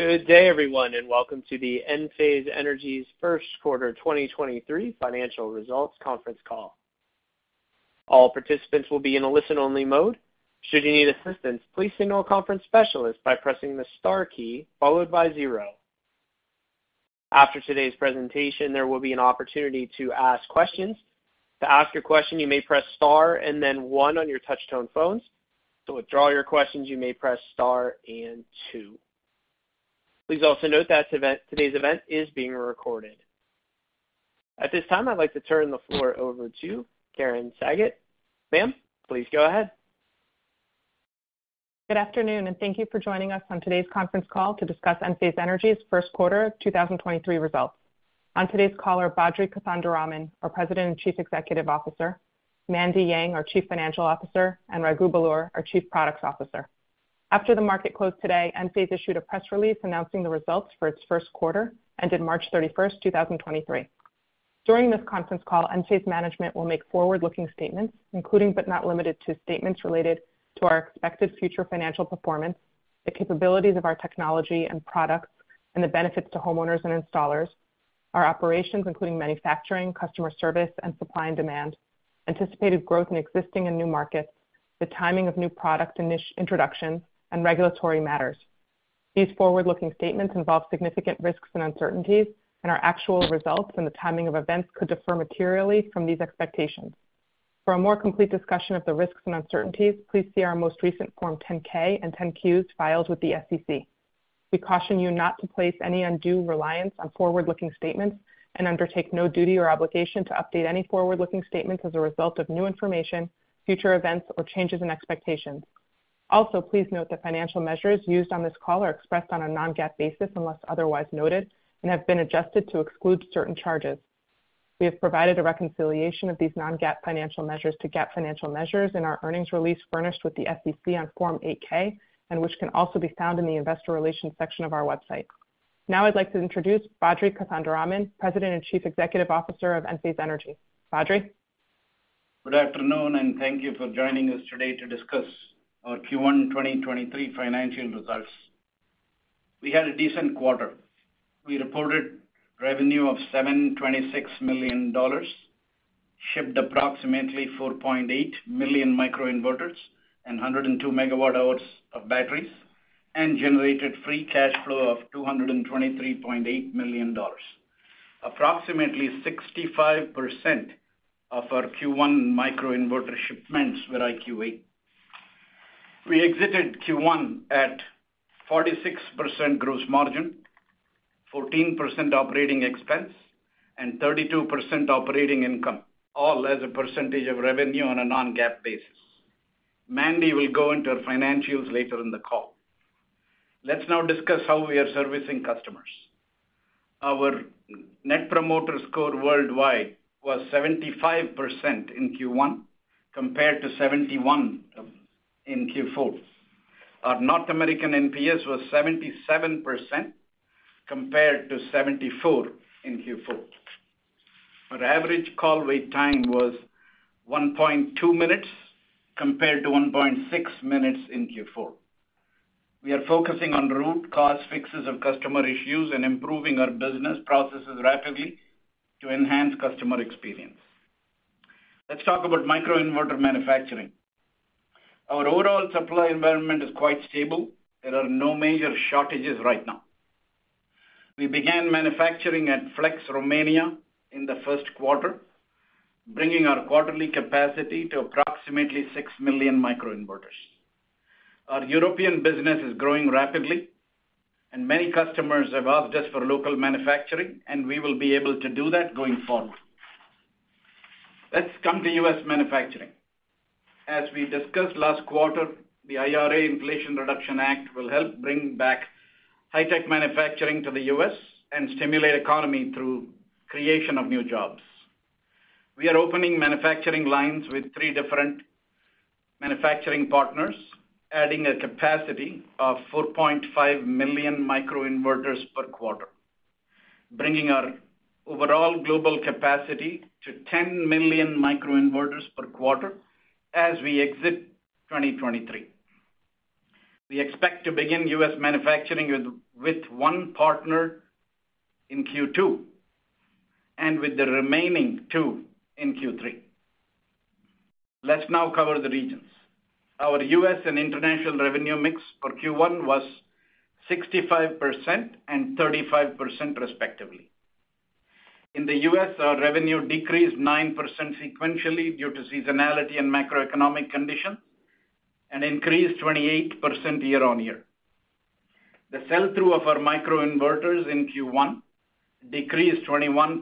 Good day, everyone, welcome to the Enphase Energy's first quarter 2023 financial results conference call. All participants will be in a listen-only mode. Should you need assistance, please signal a conference specialist by pressing the star key followed by zero. After today's presentation, there will be an opportunity to ask questions. To ask your question, you may press star and then one on your touch tone phones. To withdraw your questions, you may press star and two. Please also note that today's event is being recorded. At this time, I'd like to turn the floor over to Karen Sagot. Ma'am, please go ahead. Good afternoon and thank you for joining us on today's conference call to discuss Enphase Energy's first quarter 2023 results. On today's call are Badri Kothandaraman, our President and Chief Executive Officer, Mandy Yang, our Chief Financial Officer, and Raghu Belur, our Chief Products Officer. After the market closed today, Enphase issued a press release announcing the results for its first quarter, ended March 31st, 2023. During this conference call, Enphase management will make forward-looking statements, including, but not limited to, statements related to our expected future financial performance, the capabilities of our technology and products, and the benefits to homeowners and installers, our operations, including manufacturing, customer service and supply and demand, anticipated growth in existing and new markets, the timing of new product introduction and regulatory matters. These forward-looking statements involve significant risks and uncertainties, and our actual results and the timing of events could differ materially from these expectations. For a more complete discussion of the risks and uncertainties, please see our most recent Form 10-K and 10-Qs filed with the SEC. We caution you not to place any undue reliance on forward-looking statements and undertake no duty or obligation to update any forward-looking statements as a result of new information, future events, or changes in expectations. Please note that financial measures used on this call are expressed on a non-GAAP basis, unless otherwise noted, and have been adjusted to exclude certain charges. We have provided a reconciliation of these non-GAAP financial measures to GAAP financial measures in our earnings release furnished with the SEC on Form 8-K, and which can also be found in the investor relations section of our website. Now I'd like to introduce Badri Kothandaraman, President and Chief Executive Officer of Enphase Energy. Badri. Good afternoon, thank you for joining us today to discuss our Q1 2023 financial results. We had a decent quarter. We reported revenue of $726 million, shipped approximately 4.8 million microinverters and 102 megawatt hours of batteries, and generated free cash flow of $223.8 million. Approximately 65% of our Q1 microinverter shipments were IQ8. We exited Q1 at 46% gross margin, 14% operating expense, and 32% operating income, all as a percentage of revenue on a non-GAAP basis. Mandy will go into our financials later in the call. Let's now discuss how we are servicing customers. Our net promoter score worldwide was 75% in Q1 compared to 71 in Q4. Our North American NPS was 77% compared to 74 in Q4. Our average call wait time was 1.2 minutes compared to 1.6 minutes in Q4. We are focusing on root cause fixes of customer issues and improving our business processes rapidly to enhance customer experience. Let's talk about microinverter manufacturing. Our overall supply environment is quite stable. There are no major shortages right now. We began manufacturing at Flex Romania in the first quarter, bringing our quarterly capacity to approximately 6 million microinverters. Our European business is growing rapidly and many customers have asked us for local manufacturing, and we will be able to do that going forward. Let's come to U.S. manufacturing. As we discussed last quarter, the IRA, Inflation Reduction Act, will help bring back high-tech manufacturing to the U.S. and stimulate economy through creation of new jobs. We are opening manufacturing lines with three different manufacturing partners, adding a capacity of 4.5 million microinverters per quarter, bringing our overall global capacity to 10 million microinverters per quarter as we exit 2023. We expect to begin U.S. manufacturing with one partner in Q2 and with the remaining two in Q3. Let's now cover the regions. Our U.S. and international revenue mix for Q1 was 65% and 35%, respectively. In the U.S., our revenue decreased 9% sequentially due to seasonality and macroeconomic conditions, and increased 28% year-on-year. The sell-through of our microinverters in Q1 decreased 21%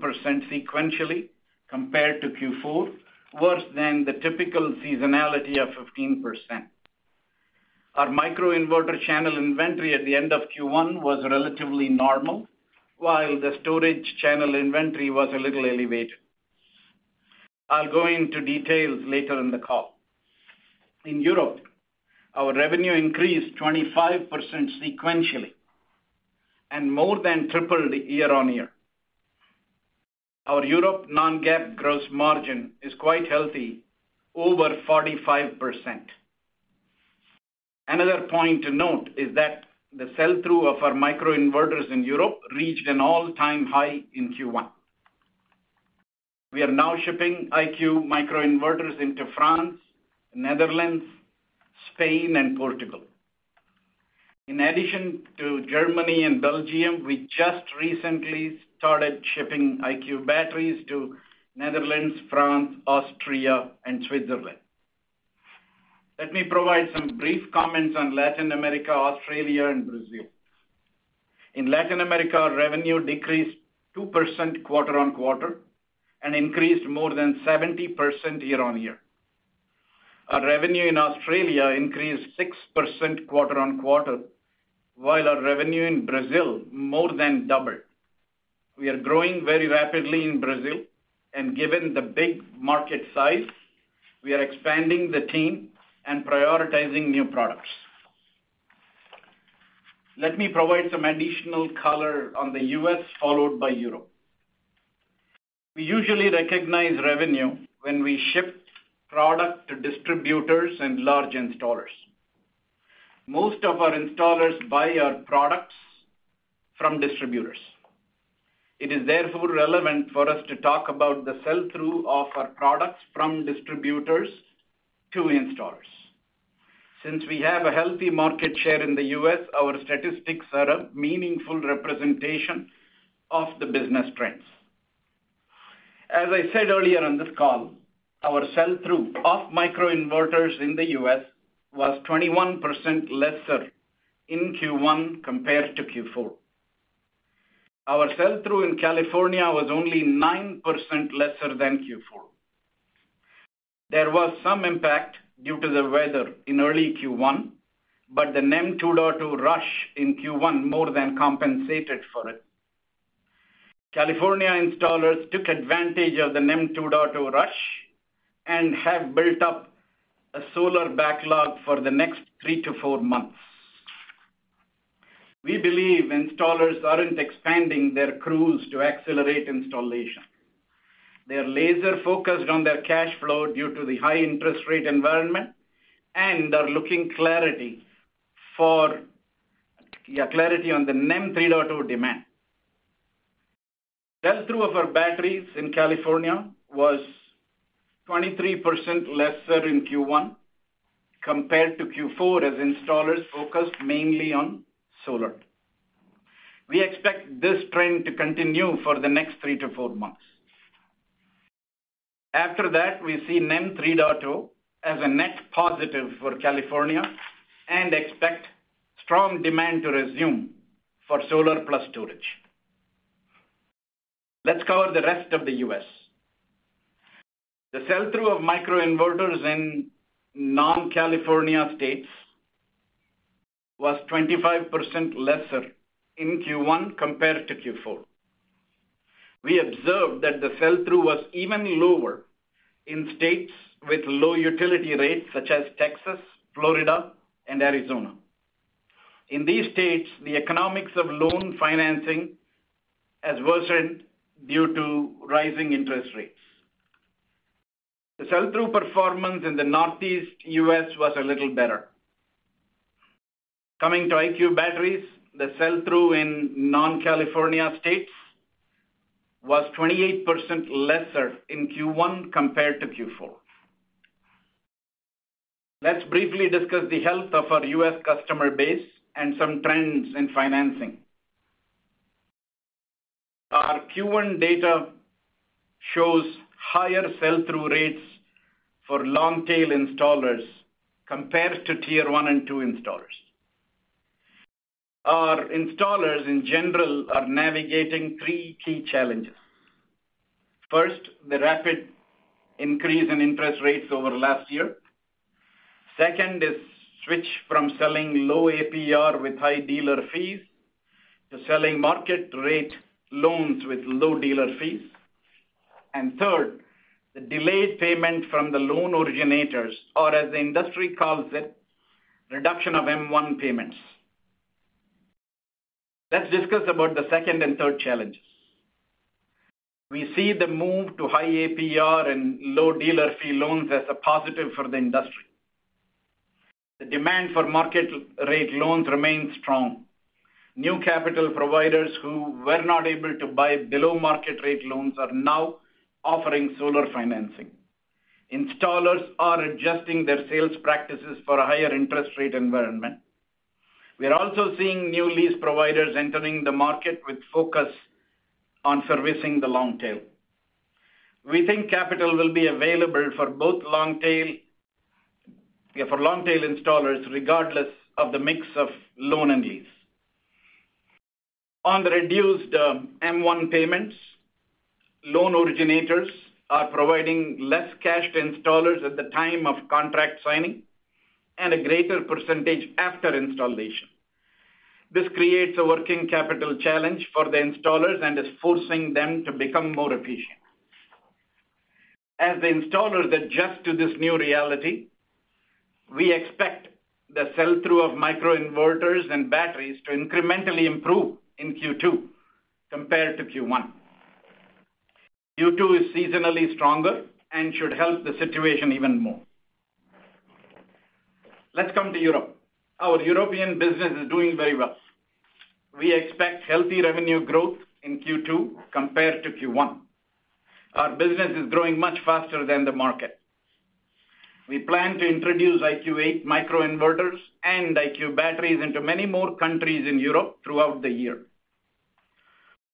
sequentially compared to Q4, worse than the typical seasonality of 15%. Our microinverter channel inventory at the end of Q1 was relatively normal, while the storage channel inventory was a little elevated. I'll go into details later in the call. In Europe, our revenue increased 25% sequentially and more than tripled year-on-year. Our Europe non-GAAP gross margin is quite healthy, over 45%. Another point to note is that the sell-through of our microinverters in Europe reached an all-time high in Q1. We are now shipping IQ microinverters into France, Netherlands, Spain, and Portugal. In addition to Germany and Belgium, we just recently started shipping IQ batteries to Netherlands, France, Austria and Switzerland. Let me provide some brief comments on Latin America, Australia, and Brazil. In Latin America, revenue decreased 2% quarter-on-quarter and increased more than 70% year-on-year. Our revenue in Australia increased 6% quarter-on-quarter, while our revenue in Brazil more than doubled. We are growing very rapidly in Brazil, and given the big market size, we are expanding the team and prioritizing new products. Let me provide some additional color on the U.S., followed by Europe. We usually recognize revenue when we ship product to distributors and large installers. Most of our installers buy our products from distributors. It is therefore relevant for us to talk about the sell-through of our products from distributors to installers. Since we have a healthy market share in the U.S., our statistics are a meaningful representation of the business trends. As I said earlier on this call, our sell-through of microinverters in the U.S. was 21% lesser in Q1 compared to Q4. Our sell-through in California was only 9% lesser than Q4. There was some impact due to the weather in early Q1, but the NEM 2.0 rush in Q1 more than compensated for it. California installers took advantage of the NEM 2.0 rush and have built up a solar backlog for the next three-four months. We believe installers aren't expanding their crews to accelerate installation. They are laser-focused on their cash flow due to the high interest rate environment and are looking clarity on the NEM 3.0 demand. Sell-through of our batteries in California was 23% lesser in Q1 compared to Q4, as installers focused mainly on solar. We expect this trend to continue for the next three-four months. After that, we see NEM 3.0 as a net positive for California and expect strong demand to resume for solar plus storage. Let's cover the rest of the U.S. The sell-through of microinverters in non-California states was 25% lesser in Q1 compared to Q4. We observed that the sell-through was even lower in states with low utility rates, such as Texas, Florida, and Arizona. In these states, the economics of loan financing has worsened due to rising interest rates. The sell-through performance in the Northeast U.S. was a little better. The sell-through in non-California states was 28% lesser in Q1 compared to Q4. Let's briefly discuss the health of our U.S. customer base and some trends in financing. Our Q1 data shows higher sell-through rates for long-tail installers compared to tier one and two installers. Our installers, in general, are navigating three key challenges. The rapid increase in interest rates over last year. Switch from selling low APR with high dealer fees to selling market rate loans with low dealer fees. third, the delayed payment from the loan originators, or as the industry calls it, reduction of M1 payments. Let's discuss about the second and third challenges. We see the move to high APR and low dealer fee loans as a positive for the industry. The demand for market rate loans remains strong. New capital providers who were not able to buy below market rate loans are now offering solar financing. Installers are adjusting their sales practices for a higher interest rate environment. We are also seeing new lease providers entering the market with focus on servicing the long tail. We think capital will be available for both long tail installers, regardless of the mix of loan and lease. On the reduced M1 payments, loan originators are providing less cash to installers at the time of contract signing and a greater percentage after installation. This creates a working capital challenge for the installers and is forcing them to become more efficient. As the installers adjust to this new reality, we expect the sell-through of microinverters and batteries to incrementally improve in Q2 compared to Q1. Q2 is seasonally stronger and should help the situation even more. Let's come to Europe. Our European business is doing very well. We expect healthy revenue growth in Q2 compared to Q1. Our business is growing much faster than the market. We plan to introduce IQ8 microinverters and IQ batteries into many more countries in Europe throughout the year.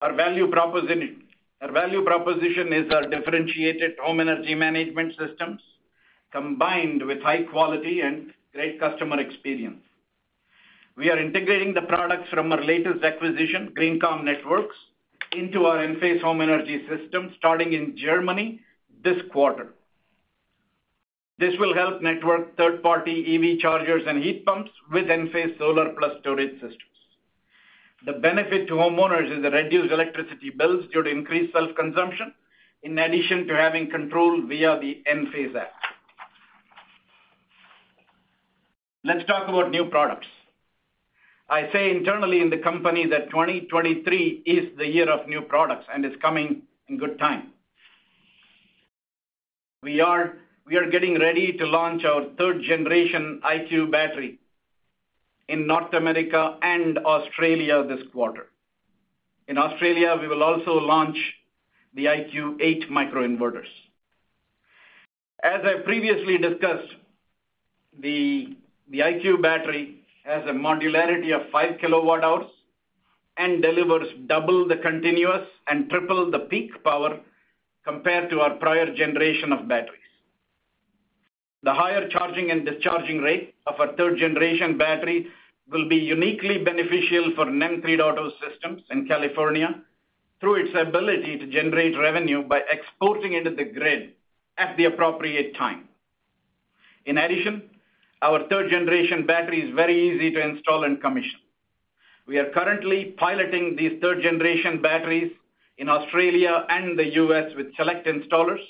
Our value proposition is our differentiated home energy management systems, combined with high quality and great customer experience. We are integrating the products from our latest acquisition, GreenCom Networks, into our Enphase Energy System starting in Germany this quarter. This will help network third-party EV chargers and heat pumps with Enphase solar plus storage systems. The benefit to homeowners is the reduced electricity bills due to increased self-consumption, in addition to having control via the Enphase app. Let's talk about new products. I say internally in the company that 2023 is the year of new products. It's coming in good time. We are getting ready to launch our 3rd generation IQ Battery in North America and Australia this quarter. In Australia, we will also launch the IQ8 microinverters. As I previously discussed, the IQ Battery has a modularity of 5 kWh and delivers double the continuous and triple the peak power compared to our prior generation of batteries. The higher charging and discharging rate of our third-generation battery will be uniquely beneficial for NEM 3.0 systems in California through its ability to generate revenue by exporting into the grid at the appropriate time. Our third-generation battery is very easy to install and commission. We are currently piloting these third-generation batteries in Australia and the U.S. with select installers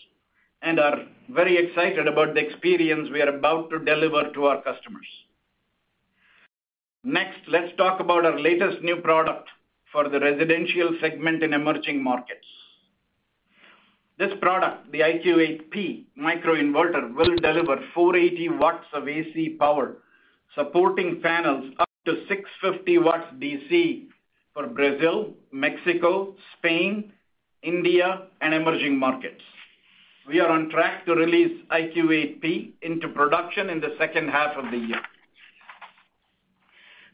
and are very excited about the experience we are about to deliver to our customers. Let's talk about our latest new product for the residential segment in emerging markets. This product, the IQ8P microinverter, will deliver 480 watts of AC power, supporting panels up to 650 watts DC for Brazil, Mexico, Spain, India, and emerging markets. We are on track to release IQ8P into production in the second half of the year.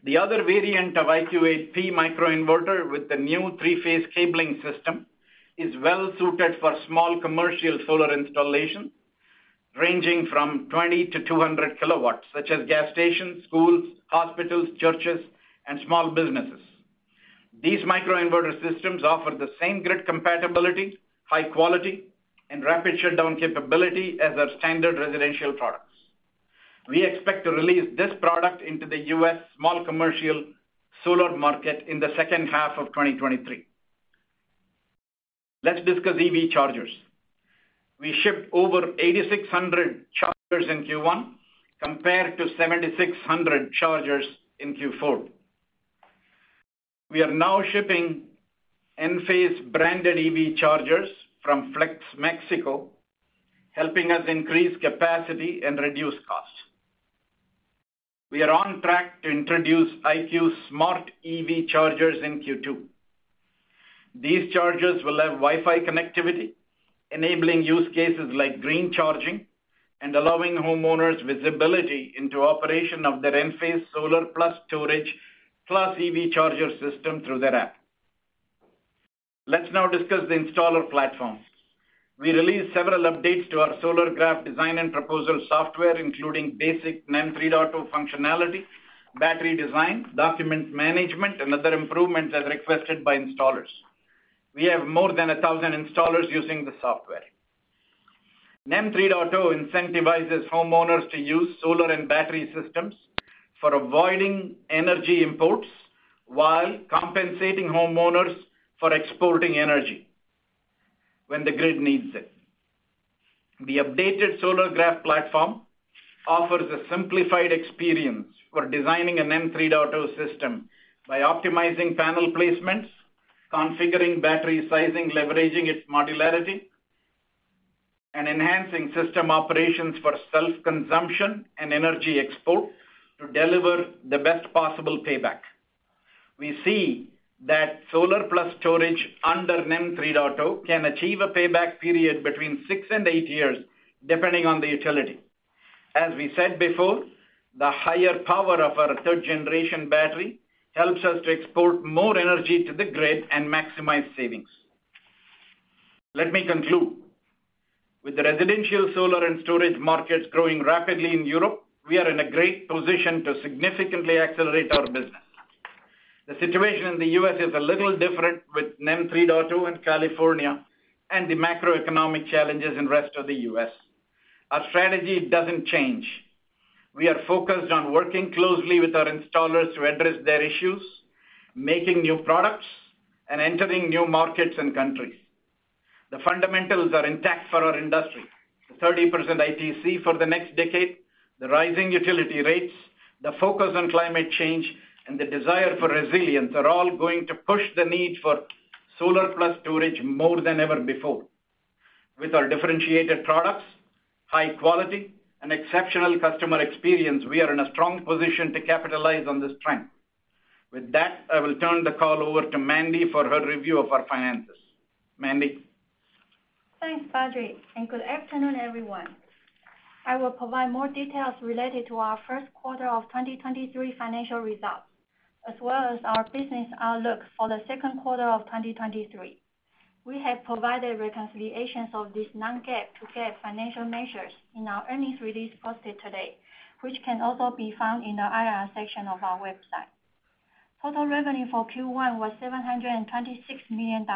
The other variant of IQ8P microinverter with the new three-phase cabling system is well suited for small commercial solar installation ranging from 20-200 kW, such as gas stations, schools, hospitals, churches, and small businesses. These microinverter systems offer the same grid compatibility, high quality, and rapid shutdown capability as our standard residential products. We expect to release this product into the U.S. small commercial solar market in the second half of 2023. Let's discuss EV chargers. We shipped over 8,600 chargers in Q1 compared to 7,600 chargers in Q4. We are now shipping Enphase branded EV chargers from Flex Mexico, helping us increase capacity and reduce costs. We are on track to introduce IQ smart EV chargers in Q2. These chargers will have Wi-Fi connectivity, enabling use cases like green charging and allowing homeowners visibility into operation of their Enphase solar plus storage plus EV charger system through their app. Let's now discuss the installer platforms. We released several updates to our Solargraf design and proposal software, including basic NEM 3.0 functionality, battery design, document management, and other improvements as requested by installers. We have more than 1,000 installers using the software. NEM 3.0 incentivizes homeowners to use solar and battery systems for avoiding energy imports while compensating homeowners for exporting energy when the grid needs it. The updated Solargraf platform offers a simplified experience for designing a NEM 3.0 system by optimizing panel placements, configuring battery sizing, leveraging its modularity, and enhancing system operations for self-consumption and energy export to deliver the best possible payback. We see that solar plus storage under NEM 3.0 can achieve a payback period between six and eight years, depending on the utility. As we said before, the higher power of our third generation battery helps us to export more energy to the grid and maximize savings. Let me conclude. With the residential solar and storage markets growing rapidly in Europe, we are in a great position to significantly accelerate our business. The situation in the U.S. is a little different with NEM 3.0 in California and the macroeconomic challenges in rest of the U.S. Our strategy doesn't change. We are focused on working closely with our installers to address their issues, making new products, and entering new markets and countries. The fundamentals are intact for our industry. The 30% ITC for the next decade, the rising utility rates, the focus on climate change, and the desire for resilience are all going to push the need for solar plus storage more than ever before. With our differentiated products, high quality, and exceptional customer experience, we are in a strong position to capitalize on this trend. With that, I will turn the call over to Mandy for her review of our finances. Mandy? Thanks, Badri, good afternoon, everyone. I will provide more details related to our first quarter of 2023 financial results, as well as our business outlook for the second quarter of 2023. We have provided reconciliations of these non-GAAP to GAAP financial measures in our earnings release posted today, which can also be found in the IR section of our website. Total revenue for Q1 was $726 million,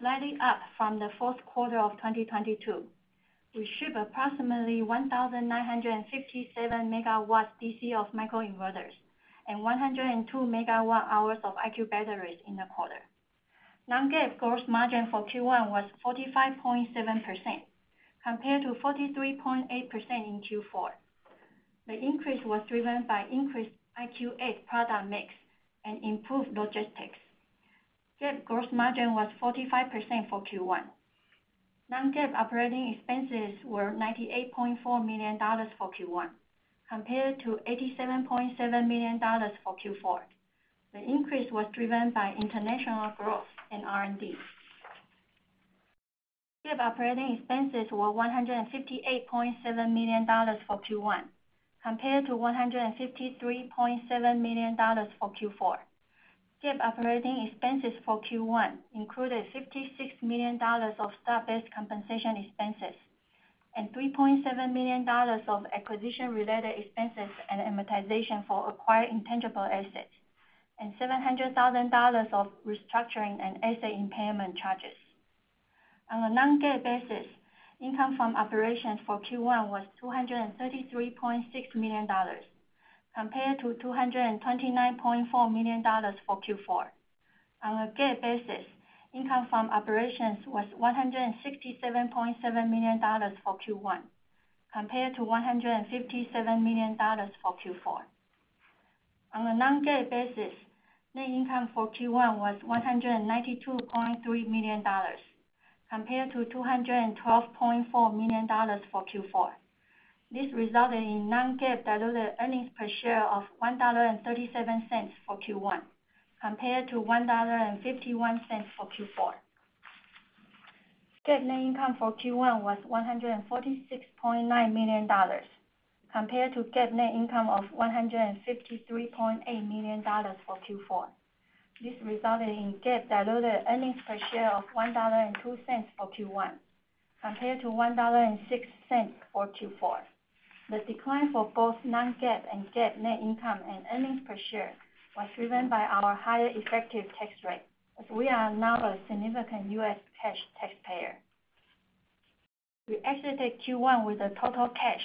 slightly up from the fourth quarter of 2022. We ship approximately 1,957 megawatts DC of microinverters and 102 megawatt hours of IQ batteries in the quarter. non-GAAP gross margin for Q1 was 45.7%, compared to 43.8% in Q4. The increase was driven by increased IQ8 product mix and improved logistics. GAAP gross margin was 45% for Q1. Non-GAAP operating expenses were $98.4 million for Q1 compared to $87.7 million for Q4. The increase was driven by international growth in R&D. GAAP operating expenses were $158.7 million for Q1 compared to $153.7 million for Q4. GAAP operating expenses for Q1 included $56 million of stock-based compensation expenses and $3.7 million of acquisition-related expenses and amortization for acquired intangible assets, and $700,000 of restructuring and asset impairment charges. On a non-GAAP basis, income from operations for Q1 was $233.6 million compared to $229.4 million for Q4. On a GAAP basis, income from operations was $167.7 million for Q1 compared to $157 million for Q4. On a non-GAAP basis, net income for Q1 was $192.3 million compared to $212.4 million for Q4. This resulted in non-GAAP diluted earnings per share of $1.37 for Q1 compared to $1.51 for Q4. GAAP net income for Q1 was $146.9 million compared to GAAP net income of $153.8 million for Q4. This resulted in GAAP diluted earnings per share of $1.02 for Q1 compared to $1.06 for Q4. The decline for both non-GAAP and GAAP net income and earnings per share was driven by our higher effective tax rate, as we are now a significant U.S. cash taxpayer. We exited Q1 with a total cash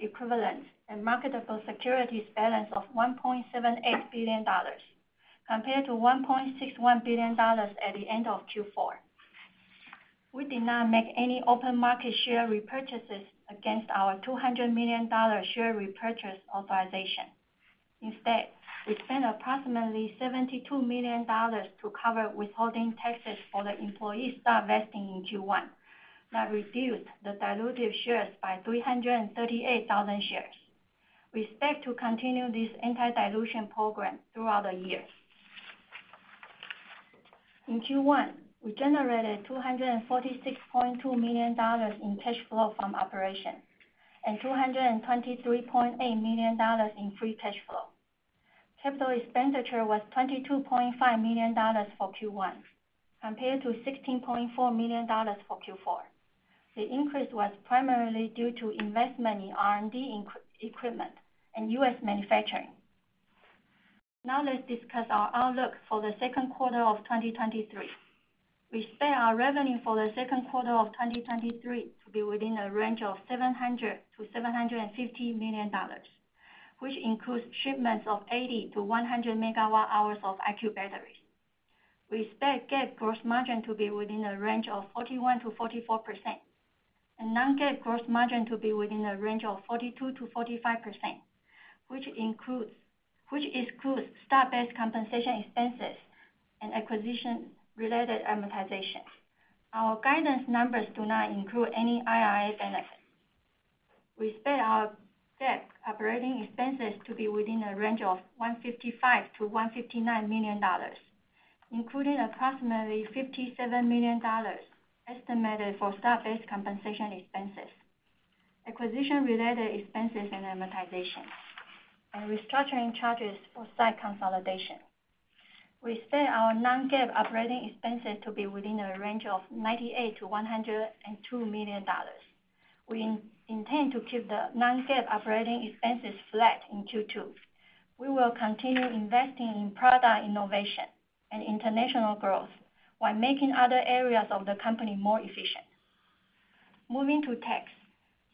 equivalent and marketable securities balance of $1.78 billion compared to $1.61 billion at the end of Q4. We did not make any open market share repurchases against our $200 million share repurchase authorization. Instead, we spent approximately $72 million to cover withholding taxes for the employee stock vesting in Q1. That reduced the dilutive shares by 338,000 shares. We expect to continue this anti-dilution program throughout the year. In Q1, we generated $246.2 million in cash flow from operation and $223.8 million in free cash flow. Capital expenditure was $22.5 million for Q1 compared to $16.4 million for Q4. The increase was primarily due to investment in R&D equipment and U.S. manufacturing. Let's discuss our outlook for the second quarter of 2023. We expect our revenue for the second quarter of 2023 to be within a range of $700 million-$750 million, which includes shipments of 80-100 megawatt hours of IQ batteries. We expect GAAP gross margin to be within a range of 41%-44% and non-GAAP gross margin to be within a range of 42%-45%, which excludes stock-based compensation expenses and acquisition-related amortization. Our guidance numbers do not include any IIF annex. We expect our GAAP operating expenses to be within a range of $155 million-$159 million, including approximately $57 million estimated for stock-based compensation expenses, acquisition-related expenses and amortization, and restructuring charges for site consolidation. We expect our non-GAAP operating expenses to be within a range of $98 million-$102 million. We intend to keep the non-GAAP operating expenses flat in Q2. We will continue investing in product innovation and international growth while making other areas of the company more efficient. Moving to tax.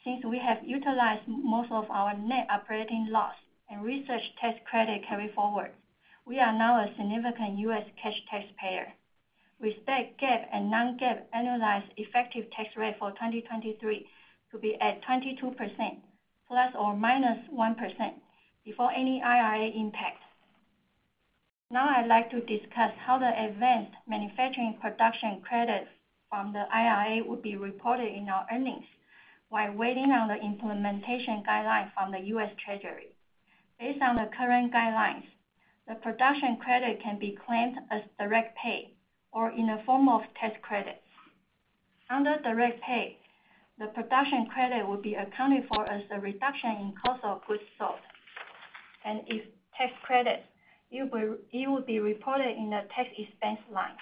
Since we have utilized most of our net operating loss and research tax credit carry forward, we are now a significant U.S. cash taxpayer. We expect GAAP and non-GAAP annualized effective tax rate for 2023 to be at 22% ±1% before any IRA impacts. I'd like to discuss how the advanced manufacturing production credits from the IRA will be reported in our earnings while waiting on the implementation guideline from the U.S. Treasury. Based on the current guidelines, the production credit can be claimed as direct pay or in the form of tax credits. Under direct pay, the production credit will be accounted for as a reduction in cost of goods sold. If tax credits, it will be reported in the tax expense line.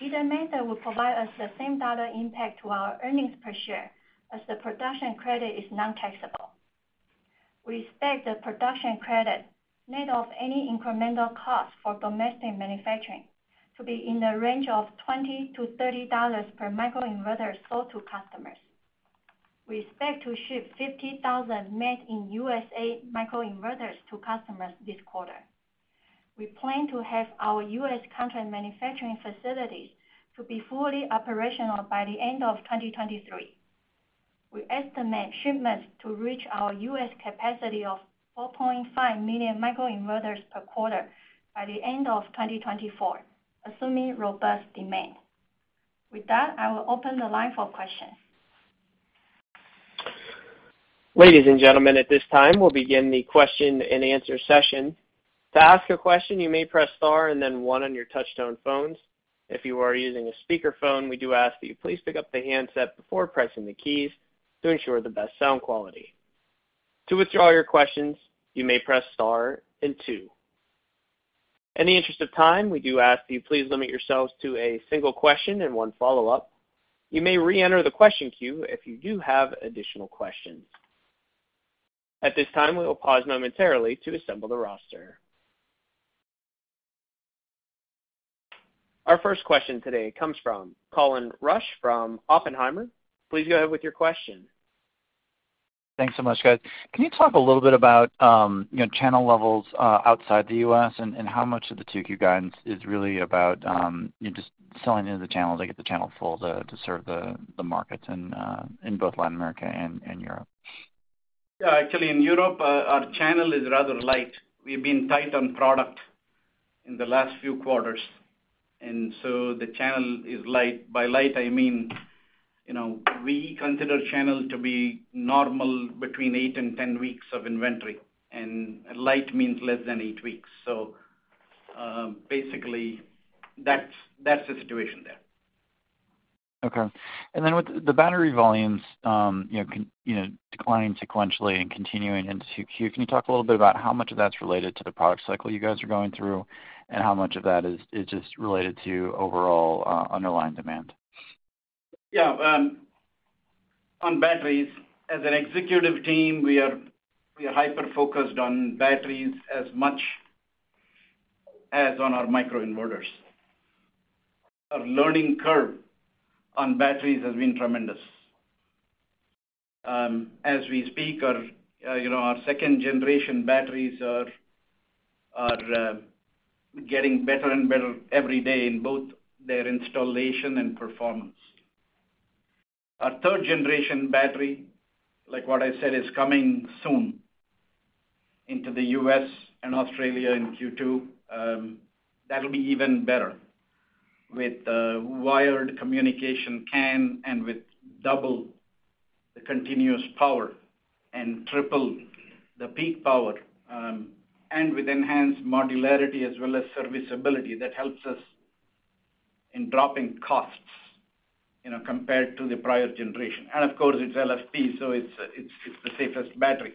Either method will provide us the same dollar impact to our earnings per share as the production credit is nontaxable. We expect the production credit, net of any incremental cost for domestic manufacturing, to be in the range of $20-$30 per microinverter sold to customers. We expect to ship 50,000 made in U.S.A. microinverters to customers this quarter. We plan to have our U.S. contract manufacturing facilities to be fully operational by the end of 2023. We estimate shipments to reach our U.S. capacity of 4.5 million microinverters per quarter by the end of 2024, assuming robust demand. With that, I will open the line for questions. Ladies and gentlemen, at this time, we'll begin the question-and-answer session. To ask a question, you may press star and then one on your touch tone phones. If you are using a speakerphone, we do ask that you please pick up the handset before pressing the keys to ensure the best sound quality. To withdraw your questions, you may press star and two. In the interest of time, we do ask that you please limit yourselves to a single question and one follow-up. You may reenter the question queue if you do have additional questions. At this time, we will pause momentarily to assemble the roster. Our first question today comes from Colin Rusch from Oppenheimer. Please go ahead with your question. Thanks so much, guys. Can you talk a little bit about, you know, channel levels outside the U.S. and how much of the 2Q guidance is really about, you just selling into the channel to get the channel full to serve the markets in both Latin America and Europe? Yeah. Actually, in Europe, our channel is rather light. We've been tight on product in the last few quarters, the channel is light. By light, I mean, you know, we consider channel to be normal between eight and 10 weeks of inventory, and light means less than eight weeks. Basically, that's the situation there. Then with the battery volumes, you know, you know, declining sequentially and continuing into 2Q, can you talk a little bit about how much of that's related to the product cycle you guys are going through, and how much of that is just related to overall underlying demand? Yeah. On batteries, as an executive team, we are hyper-focused on batteries as much as on our microinverters. Our learning curve on batteries has been tremendous. As we speak our, you know, our second-generation batteries are getting better and better every day in both their installation and performance. Our third-generation battery, like what I said, is coming soon into the U.S. and Australia in Q2. That'll be even better with the wired communication CAN and with double the continuous power and triple the peak power, and with enhanced modularity as well as serviceability that helps us in dropping costs, you know, compared to the prior generation. Of course, it's LFP, so it's the safest battery.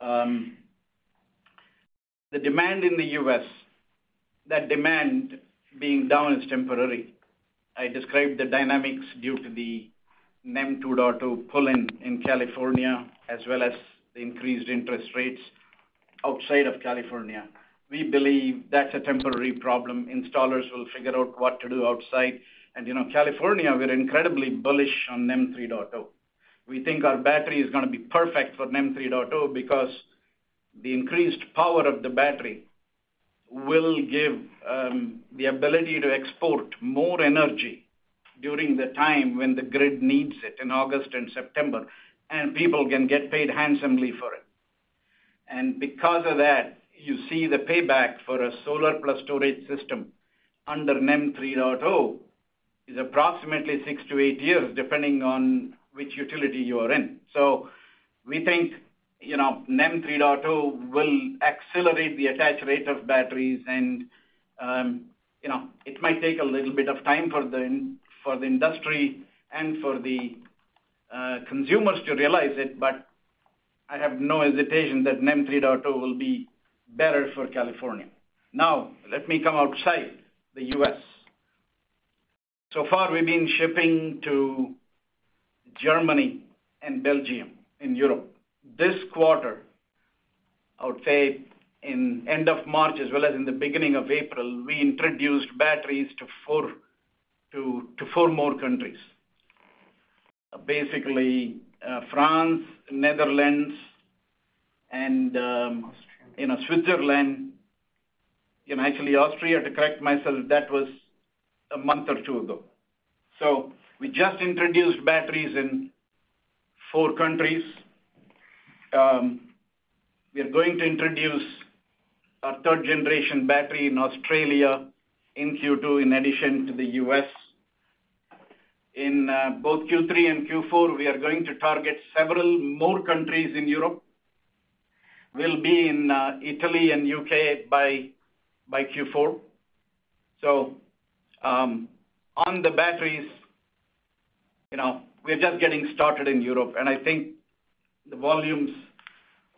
The demand in the US, that demand being down is temporary. I described the dynamics due to the NEM 2.0 pull-in in California as well as the increased interest rates outside of California. We believe that's a temporary problem. Installers will figure out what to do outside. You know, California, we're incredibly bullish on NEM 3.0. We think our battery is gonna be perfect for NEM 3.0 because the increased power of the battery will give the ability to export more energy during the time when the grid needs it in August and September, and people can get paid handsomely for it. Because of that, you see the payback for a solar plus storage system under NEM 3.0 is approximately six to eight years, depending on which utility you are in. We think, you know, NEM 3.0 will accelerate the attach rate of batteries and, you know, it might take a little bit of time for the industry and for the consumers to realize it, but I have no hesitation that NEM 3.0 will be better for California. Let me come outside the U.S. So far, we've been shipping to Germany and Belgium in Europe. This quarter, I would say in end of March as well as in the beginning of April, we introduced batteries to four more countries. France, Netherlands and, you know, Switzerland. Actually Austria, to correct myself, that was a month or two ago. We just introduced batteries in four countries. We are going to introduce our third generation battery in Australia in Q2 in addition to the U.S. In both Q3 and Q4, we are going to target several more countries in Europe. We'll be in Italy and U.K. by Q4. On the batteries, you know, we're just getting started in Europe, and I think the volumes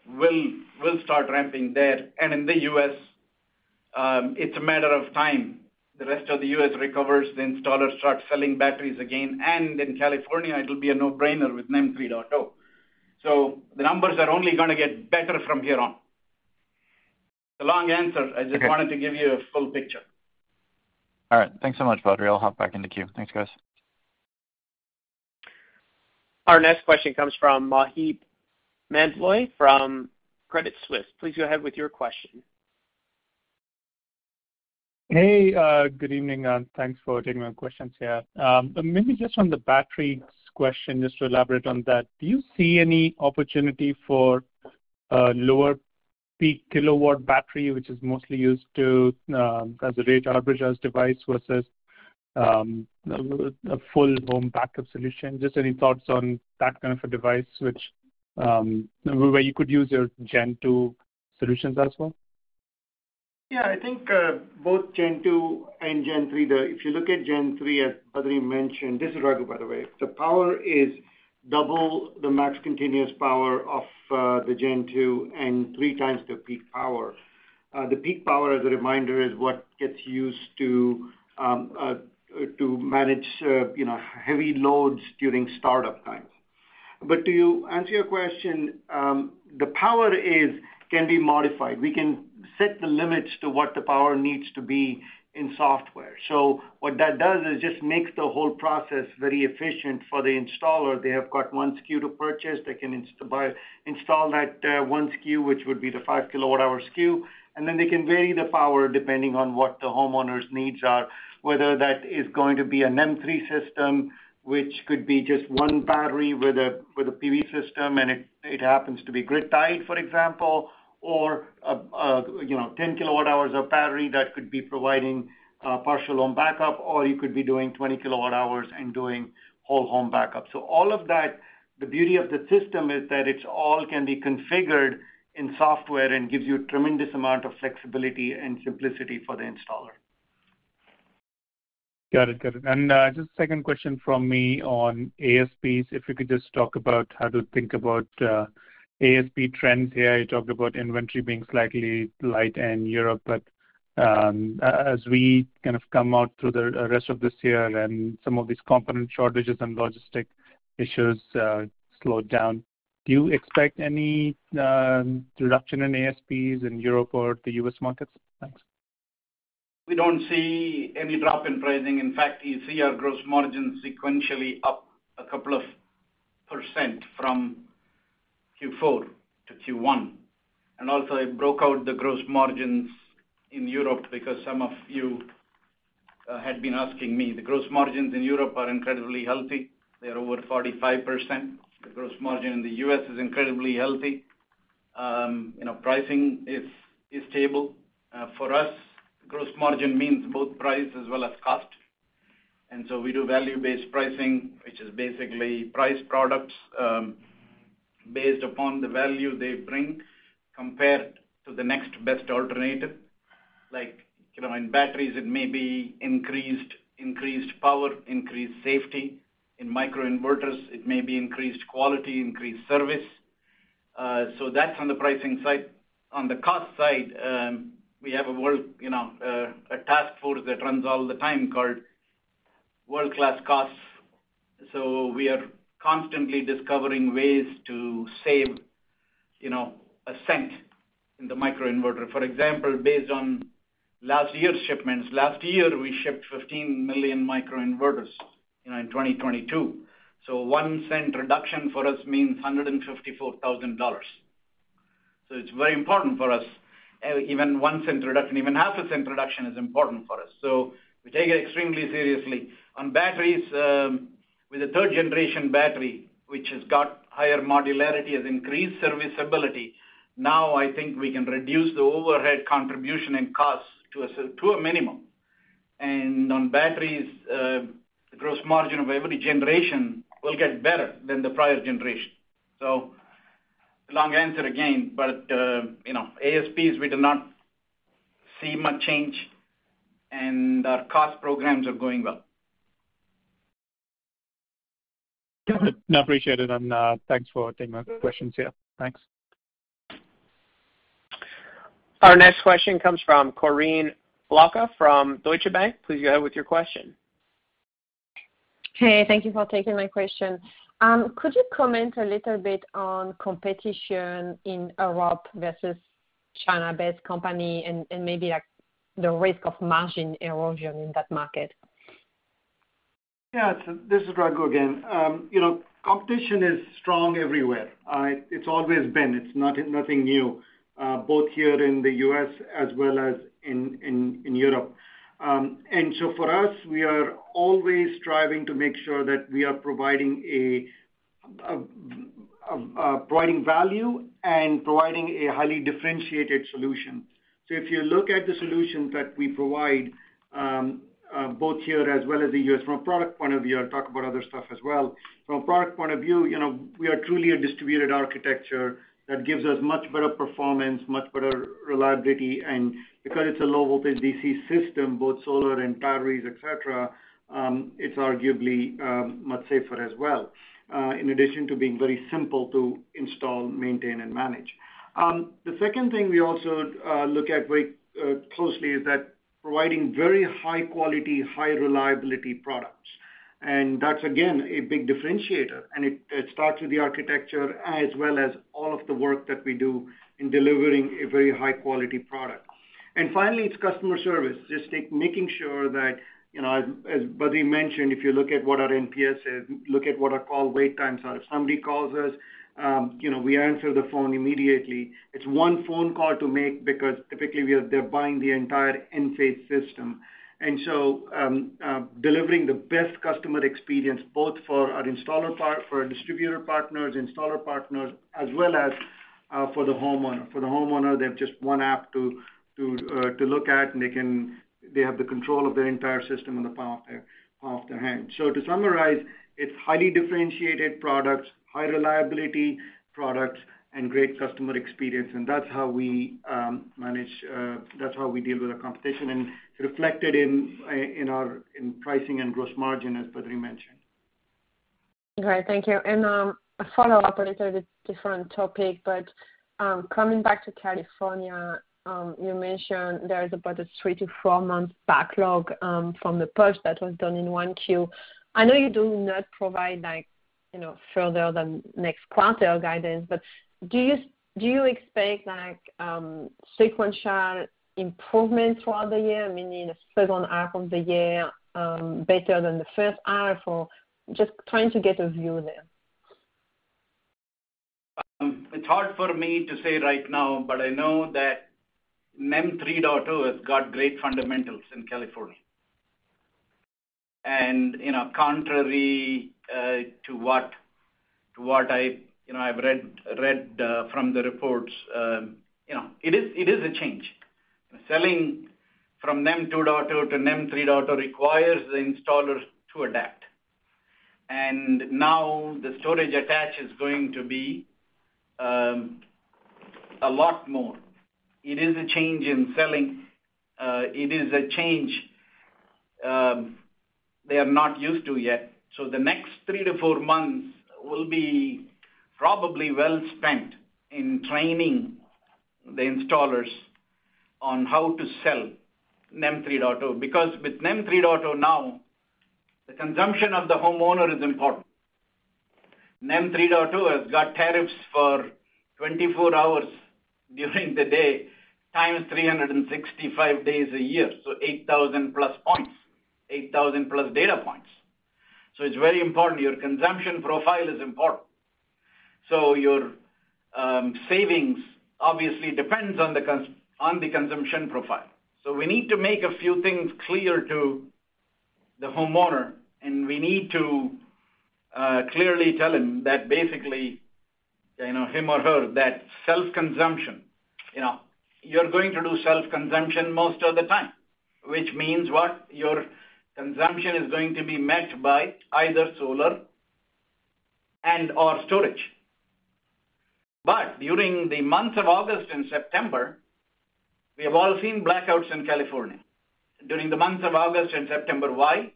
will start ramping there. In the U.S., it's a matter of time. The rest of the U.S. recovers, the installers start selling batteries again, and in California it'll be a no-brainer with NEM 3.0. The numbers are only gonna get better from here on. It's a long answer. Okay. I just wanted to give you a full picture. All right. Thanks so much, Badri. I'll hop back in the queue. Thanks, guys. Our next question comes from Maheep Mandloi from Credit Suisse. Please go ahead with your question. Hey, good evening, and thanks for taking my questions here. Maybe just on the batteries question, just to elaborate on that. Do you see any opportunity for a lower peak kW battery, which is mostly used to, as a rate arbitrage device versus, a full home backup solution? Just any thoughts on that kind of a device which, where you could use your gen two solutions as well? Yeah. I think both Gen 2 and Gen 3. If you look at Gen 3, as Badri mentioned, this is Raghu, by the way, the power is double the max continuous power of the Gen 2 and 3x the peak power. The peak power, as a reminder, is what gets used to manage, you know, heavy loads during startup times. To answer your question, the power is can be modified. We can set the limits to what the power needs to be in software. What that does is just makes the whole process very efficient for the installer. They have got 1 SKU to purchase. They can install that one SKU, which would be the 5 kWh SKU, and then they can vary the power depending on what the homeowner's needs are, whether that is going to be a NEM 3.0 system, which could be just one battery with a PV system and it happens to be grid-tied, for example, or, you know, 10 kWh of battery that could be providing partial home backup or you could be doing 20 kWh and doing whole home backup. All of that, the beauty of the system is that it's all can be configured in software and gives you tremendous amount of flexibility and simplicity for the installer. Got it. Got it. Just second question from me on ASPs. If you could just talk about how to think about ASP trends here. You talked about inventory being slightly light in Europe, but as we kind of come out through the rest of this year and some of these component shortages and logistic issues slow down, do you expect any reduction in ASPs in Europe or the US markets? Thanks. We don't see any drop in pricing. In fact, you see our gross margin sequentially up a couple of % from Q4 to Q1. Also I broke out the gross margins in Europe because some of you had been asking me. The gross margins in Europe are incredibly healthy. They are over 45%. The gross margin in the US is incredibly healthy. You know, pricing is stable. For us, gross margin means both price as well as cost. We do value-based pricing, which is basically price products based upon the value they bring compared to the next best alternative. Like, you know, in batteries it may be increased power, increased safety. In microinverters it may be increased quality, increased service. That's on the pricing side. On the cost side, we have a world, you know, a task force that runs all the time called world-class costs. We are constantly discovering ways to save, you know, a cent in the microinverter. For example, based on last year's shipments, last year we shipped 15 million microinverters, you know, in 2022. One cent reduction for us means $154,000. It's very important for us. Even $0.01 reduction, even half a cent reduction is important for us, so we take it extremely seriously. On batteries, with the third generation battery, which has got higher modularity, has increased serviceability, now I think we can reduce the overhead contribution and costs to a minimum. On batteries, the gross margin of every generation will get better than the prior generation. Long answer again, but, you know, ASPs, we do not see much change, and our cost programs are going well. Got it. No, appreciate it, and thanks for taking my questions here. Thanks. Our next question comes from Corinne Blanchard from Deutsche Bank. Please go ahead with your question. Hey, thank you for taking my question. Could you comment a little bit on competition in Europe versus China-based company and maybe like the risk of margin erosion in that market? Yeah. This is Raghu again. You know, competition is strong everywhere. It's always been. It's not nothing new, both here in the U.S. as well as in Europe. For us, we are always striving to make sure that we are providing value and providing a highly differentiated solution. If you look at the solutions that we provide, both here as well as the U.S., from a product point of view, I'll talk about other stuff as well. From a product point of view, you know, we are truly a distributed architecture that gives us much better performance, much better reliability. Because it's a low voltage DC system, both solar and batteries, et cetera, it's arguably much safer as well, in addition to being very simple to install, maintain, and manage. The second thing we also look at very closely is that providing very high quality, high reliability products. That's again, a big differentiator, and it starts with the architecture as well as all of the work that we do in delivering a very high quality product. Finally, it's customer service. Just take making sure that, you know, as Badri mentioned, if you look at what our NPS is, look at what our call wait times are. If somebody calls us, you know, we answer the phone immediately. It's one phone call to make because typically they're buying the entire Enphase system. Delivering the best customer experience both for our installer part, for our distributor partners, installer partners, as well as, for the homeowner. For the homeowner, they have just one app to look at, they have the control of their entire system in the palm of their hand. To summarize, it's highly differentiated products, high reliability products, and great customer experience. That's how we manage, that's how we deal with the competition. It's reflected in our pricing and gross margin, as Badri mentioned. Okay. Thank you. A follow-up on a little bit different topic, but coming back to California, you mentioned there's about a three-four months backlog from the push that was done in one Q. I know you do not provide like, you know, further than next quarter guidance, but do you, do you expect like, sequential improvements throughout the year, meaning the second half of the year, better than the first half? Just trying to get a view there. It's hard for me to say right now, but I know that NEM 3.0 has got great fundamentals in California. You know, contrary to what I've, you know, I've read from the reports, you know, it is a change. Selling from NEM 2.0 to NEM 3.0 requires the installers to adapt. Now the storage attached is going to be a lot more. It is a change in selling. It is a change they are not used to yet. The next three-four months will be probably well spent in training the installers on how to sell NEM 3.0, because with NEM 3.0 now, the consumption of the homeowner is important. NEM 3.0 has got tariffs for 24 hours during the day, times 365 days a year, so 8,000+ points, 8,000+ data points. It's very important. Your consumption profile is important. Your savings obviously depends on the consumption profile. We need to make a few things clear to the homeowner, and we need to clearly tell him that basically, you know, him or her, that self-consumption, you know, you're going to do self-consumption most of the time. Which means what? Your consumption is going to be met by either solar and/or storage. During the months of August and September, we have all seen blackouts in California. During the months of August and September, why?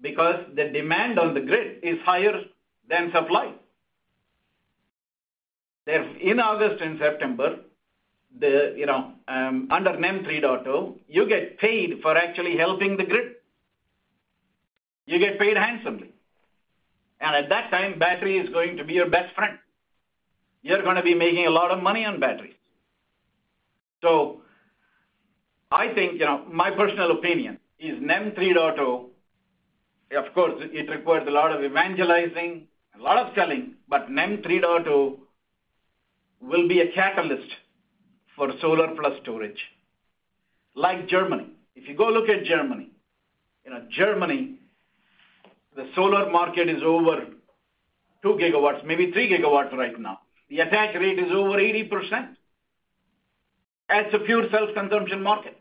Because the demand on the grid is higher than supply. If in August and September, the, you know, under NEM 3.0, you get paid for actually helping the grid. You get paid handsomely. At that time, battery is gonna be your best friend. You're gonna be making a lot of money on batteries. I think, you know, my personal opinion is NEM 3.0, of course, it requires a lot of evangelizing, a lot of selling, but NEM 3.0 will be a catalyst for solar plus storage, like Germany. If you go look at Germany, you know, Germany, the solar market is over 2 GW, maybe 3 GW right now. The attach rate is over 80%. That's a pure self-consumption market.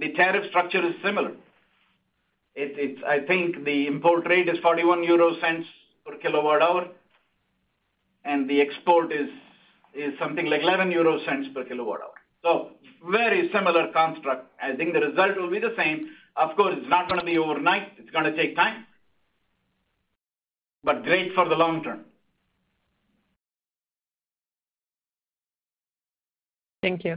The tariff structure is similar. It's I think the import rate is 0.41 per kWh, and the export is something like 0.11 per kWh. very similar construct. I think the result will be the same. Of course, it's not gonna be overnight. It's gonna take time. great for the long term. Thank you.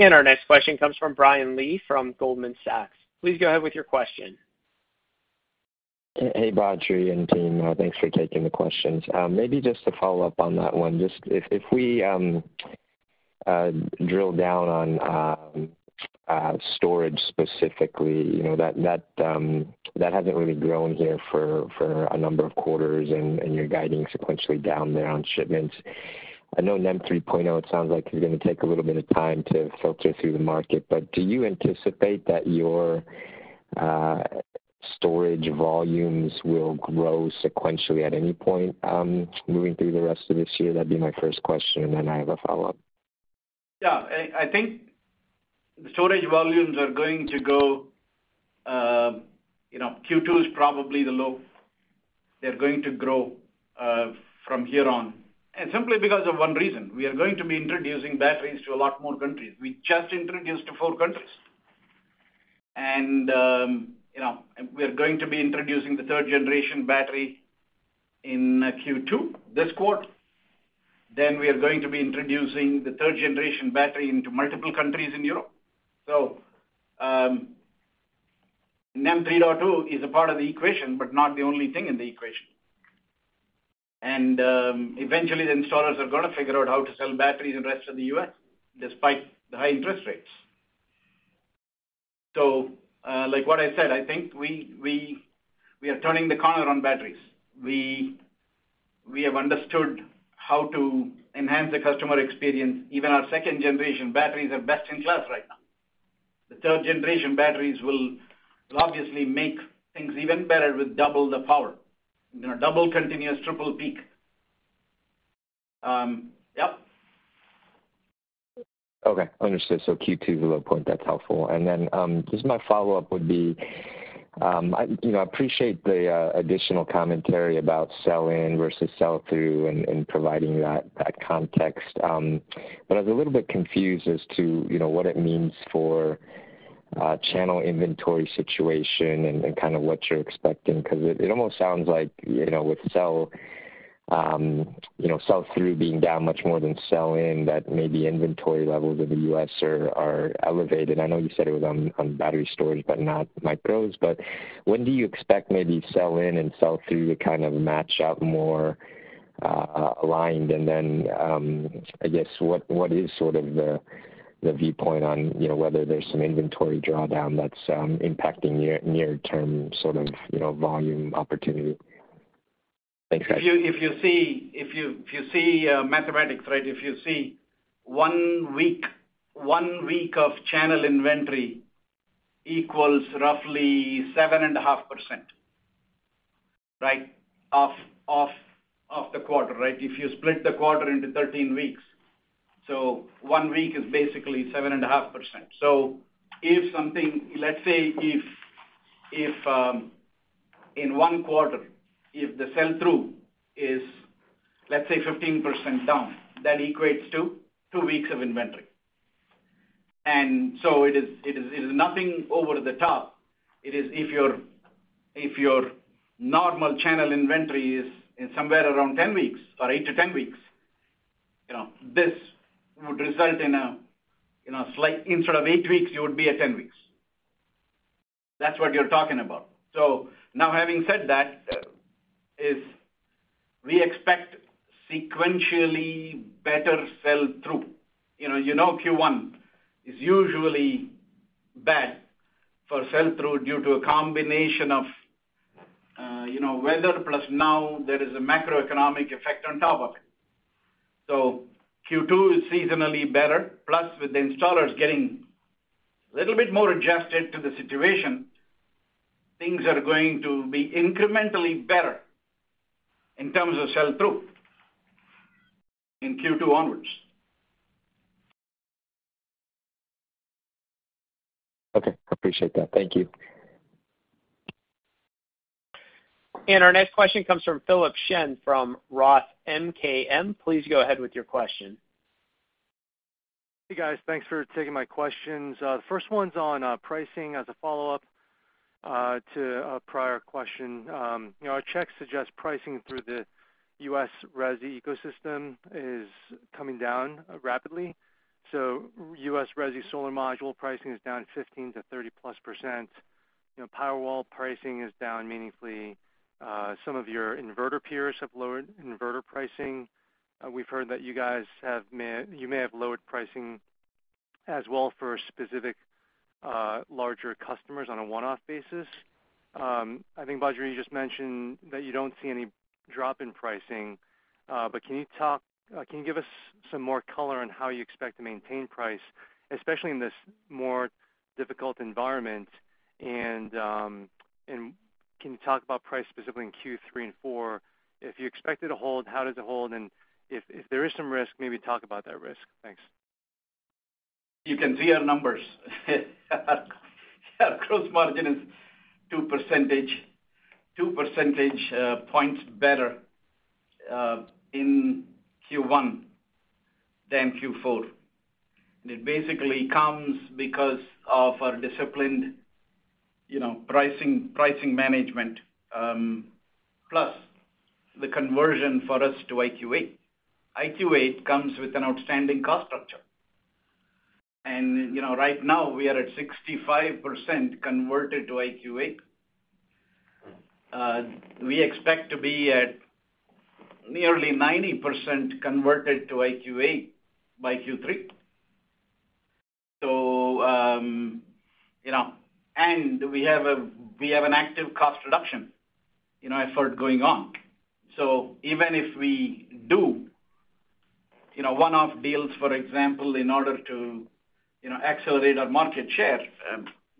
Our next question comes from Brian Lee from Goldman Sachs. Please go ahead with your question. Hey, Badri and team. thanks for taking the questions. Maybe just to follow up on that one. Just if we drill down on storage specifically, you know, that hasn't really grown here for a number of quarters and you're guiding sequentially down there on shipments. I know NEM 3.0 sounds like you're gonna take a little bit of time to filter through the market, but do you anticipate that your storage volumes will grow sequentially at any point moving through the rest of this year? That'd be my first question, and then I have a follow-up. Yeah. I think the storage volumes are going to go, you know, Q2 is probably the low. They're going to grow from here on, and simply because of one reason. We are going to be introducing batteries to a lot more countries. We just introduced to four countries. You know, and we're going to be introducing the third generation battery in Q2, this quarter. Then we are going to be introducing the third generation battery into multiple countries in Europe. NEM 3.0 is a part of the equation, but not the only thing in the equation. Eventually, the installers are gonna figure out how to sell batteries in rest of the US despite the high interest rates. Like what I said, I think we are turning the corner on batteries. We have understood how to enhance the customer experience. Even our second-generation batteries are best in class right now. The third-generation batteries will obviously make things even better with double the power. You know, double continuous, triple peak. yep. Understood. Q2 is the low point, that's helpful. Just my follow-up would be, I, you know, appreciate the additional commentary about sell-in versus sell-through and providing that context. I was a little bit confused as to, you know, what it means for channel inventory situation and kind of what you're expecting. 'Cause it almost sounds like, you know, with sell-through being down much more than sell-in, that maybe inventory levels in the U.S. are elevated. I know you said it was on battery storage, but not micros. When do you expect maybe sell-in and sell-through to kind of match up more aligned? I guess what is sort of the viewpoint on, you know, whether there's some inventory drawdown that's impacting near-term sort of, you know, volume opportunity? Thanks, guys. If you see mathematics, right? If you see one week of channel inventory equals roughly 7.5%, right? Of the quarter, right? If you split the quarter into 13 weeks, one week is basically 7.5%. If let's say if in one quarter, if the sell-through is, let's say, 15% down, that equates to two weeks of inventory. It is nothing over the top. It is if your normal channel inventory is somewhere around 10 weeks or eight-10 weeks, you know, this would result in a slight instead of eight weeks, you would be at 10 weeks. That's what you're talking about. Now having said that, we expect sequentially better sell-through. You know Q1 is usually bad for sell-through due to a combination of, you know, weather plus now there is a macroeconomic effect on top of it. Q2 is seasonally better, plus with the installers getting a little bit more adjusted to the situation, things are going to be incrementally better in terms of sell-through in Q2 onwards. Okay, appreciate that. Thank you. Our next question comes from Philip Shen from ROTH MKM. Please go ahead with your question. Hey, guys. Thanks for taking my questions. The first one's on pricing as a follow-up to a prior question. You know, our checks suggest pricing through the U.S. resi ecosystem is coming down rapidly. U.S. resi solar module pricing is down 15-30+%. You know, Powerwall pricing is down meaningfully. Some of your inverter peers have lowered inverter pricing. We've heard that you guys may have lowered pricing as well for specific, larger customers on a one-off basis. I think, Badri, you just mentioned that you don't see any drop in pricing, can you give us some more color on how you expect to maintain price, especially in this more difficult environment? Can you talk about price specifically in Q3 and 4? If you expect it to hold, how does it hold? If, if there is some risk, maybe talk about that risk. Thanks. You can see our numbers. Our gross margin is two percentage points better in Q1 than Q4. It basically comes because of our disciplined, you know, pricing management, plus the conversion for us to IQ8. IQ8 comes with an outstanding cost structure. you know, right now we are at 65% converted to IQ8. We expect to be at nearly 90% converted to IQ8 by Q3. you know. We have an active cost reduction, you know, effort going on. Even if we do, you know, one-off deals, for example, in order to, you know, accelerate our market share,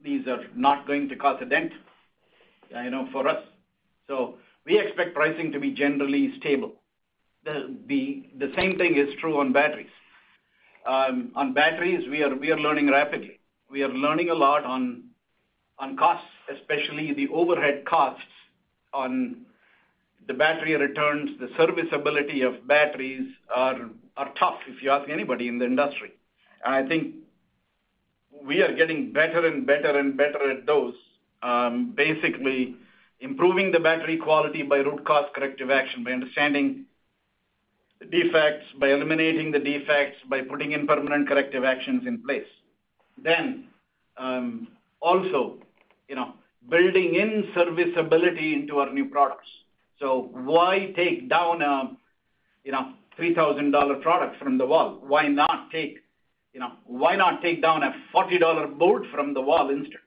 these are not going to cause a dent, you know, for us. We expect pricing to be generally stable. The same thing is true on batteries. On batteries, we are learning rapidly. We are learning a lot on costs, especially the overhead costs on the battery returns. The serviceability of batteries are tough if you ask anybody in the industry. I think we are getting better and better at those, basically improving the battery quality by root cause corrective action, by understanding defects, by eliminating the defects, by putting in permanent corrective actions in place. Also, you know, building in serviceability into our new products. Why take down a, you know, $3,000 product from the wall? Why not take down a $40 board from the wall instead?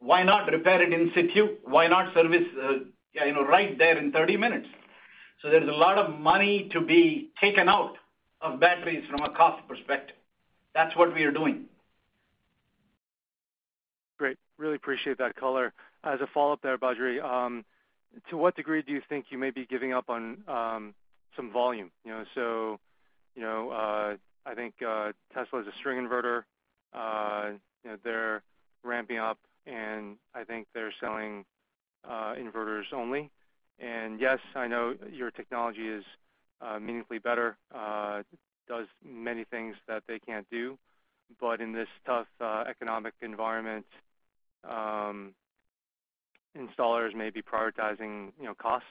Why not repair it in situ? Why not service, you know, right there in 30 minutes? There's a lot of money to be taken out of batteries from a cost perspective. That's what we are doing. Great. Really appreciate that color. As a follow-up there, Badri, to what degree do you think you may be giving up on some volume? You know, I think Tesla is a string inverter. They're ramping up, and I think they're selling inverters only. Yes, I know your technology is meaningfully better, does many things that they can't do. In this tough economic environment, installers may be prioritizing, you know, costs.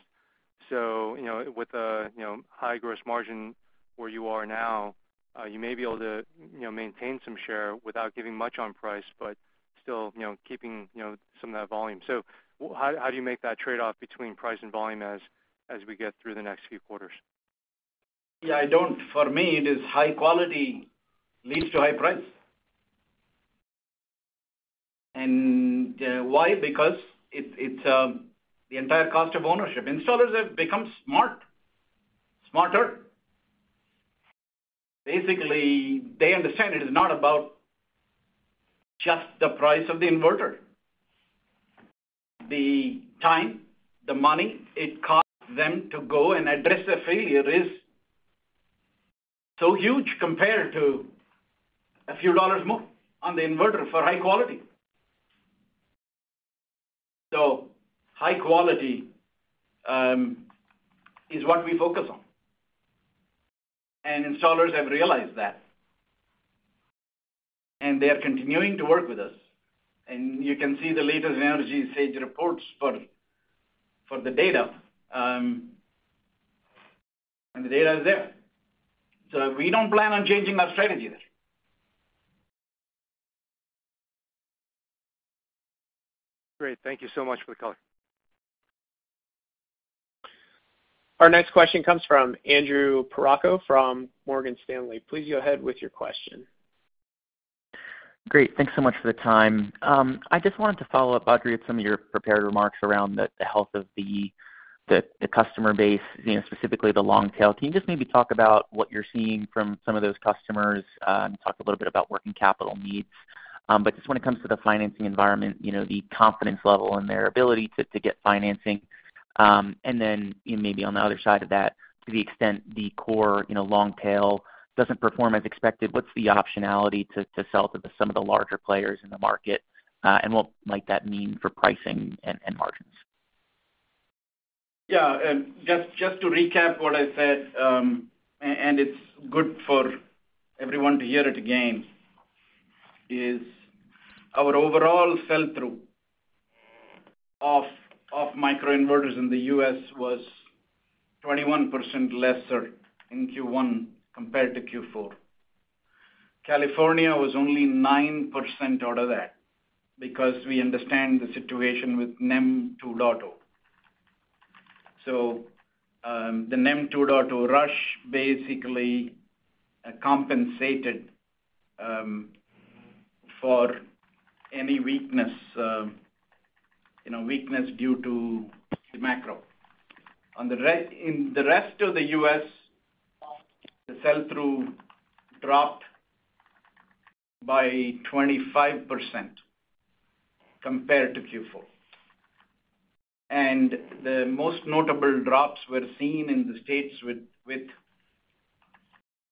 You know, with a high gross margin where you are now, you may be able to maintain some share without giving much on price, but still, keeping some of that volume. How, how do you make that trade-off between price and volume as we get through the next few quarters? Yeah, I don't. For me, it is high quality leads to high price. Why? Because it's the entire cost of ownership. Installers have become smarter. Basically, they understand it is not about just the price of the inverter. The time, the money it costs them to go and address a failure is so huge compared to a few dollars more on the inverter for high quality. High quality is what we focus on, and installers have realized that. They are continuing to work with us. You can see the latest EnergySage reports for the data, and the data is there. We don't plan on changing our strategy there. Great. Thank you so much for the color. Our next question comes from Andrew Percoco from Morgan Stanley. Please go ahead with your question. Great. Thanks so much for the time. I just wanted to follow up, Badri, with some of your prepared remarks around the health of the customer base, you know, specifically the long tail. Can you just maybe talk about what you're seeing from some of those customers, talk a little bit about working capital needs? Just when it comes to the financing environment, you know, the confidence level and their ability to get financing. Then maybe on the other side of that, to the extent the core, you know, long tail doesn't perform as expected, what's the optionality to sell to some of the larger players in the market? What might that mean for pricing and margins? Yeah. Just to recap what I said, and it's good for everyone to hear it again, is our overall sell-through of microinverters in the U.S. was 21% lesser in Q1 compared to Q4. California was only 9% out of that because we understand the situation with NEM 2.0. The NEM 2.0 rush basically compensated for any weakness, you know, weakness due to the macro. In the rest of the U.S., the sell-through dropped by 25% compared to Q4. The most notable drops were seen in the states with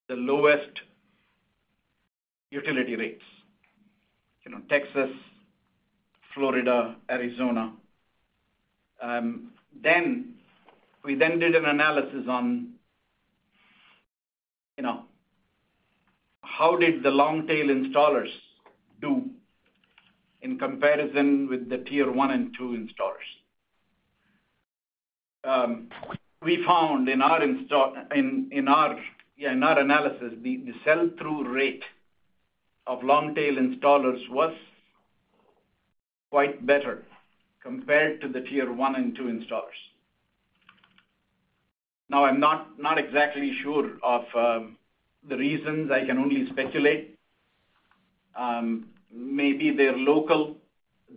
the lowest utility rates. You know, Texas, Florida, Arizona. Then we did an analysis on, you know, how did the long tail installers do in comparison with the tier 1 and 2 installers. We found in our analysis, the sell-through rate of long-tail installers was quite better compared to the tier 1 and 2 installers. I'm not exactly sure of the reasons. I can only speculate. Maybe they're local.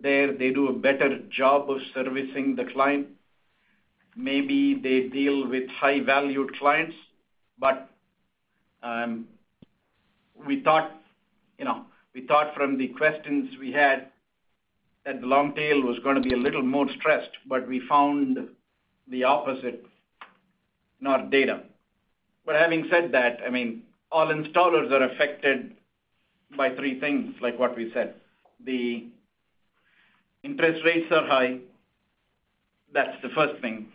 They do a better job of servicing the client. Maybe they deal with high-valued clients. We thought, you know, we thought from the questions we had that the long-tail was gonna be a little more stressed, but we found the opposite in our data. Having said that, I mean, all installers are affected by three things, like what we said. The interest rates are high. That's the first thing.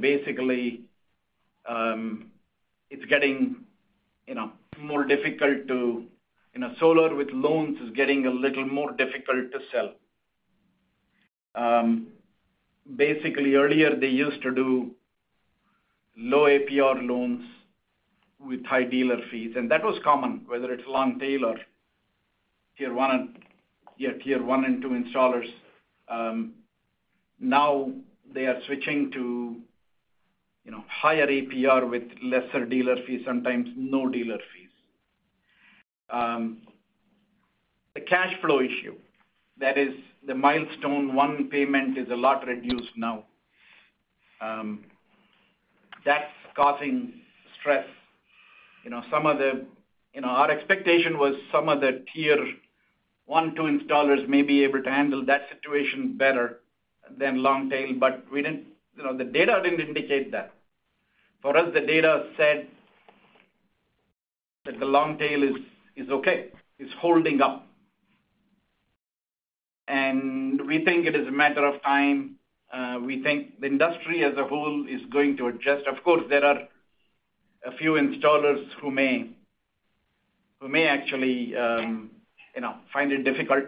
Basically, it's getting, you know, more difficult to. You know, solar with loans is getting a little more difficult to sell. Basically earlier they used to do low APR loans with high dealer fees, and that was common, whether it's long tail or tier one and, yeah, tier one and two installers. Now they are switching to, you know, higher APR with lesser dealer fees, sometimes no dealer fees. The cash flow issue, that is the milestone one payment is a lot reduced now. That's causing stress. You know, our expectation was some of the tier one, two installers may be able to handle that situation better than long tail, but we didn't, you know, the data didn't indicate that. For us, the data said that the long tail is okay, is holding up. We think it is a matter of time. We think the industry as a whole is going to adjust. Of course, there are a few installers who may actually, you know, find it difficult.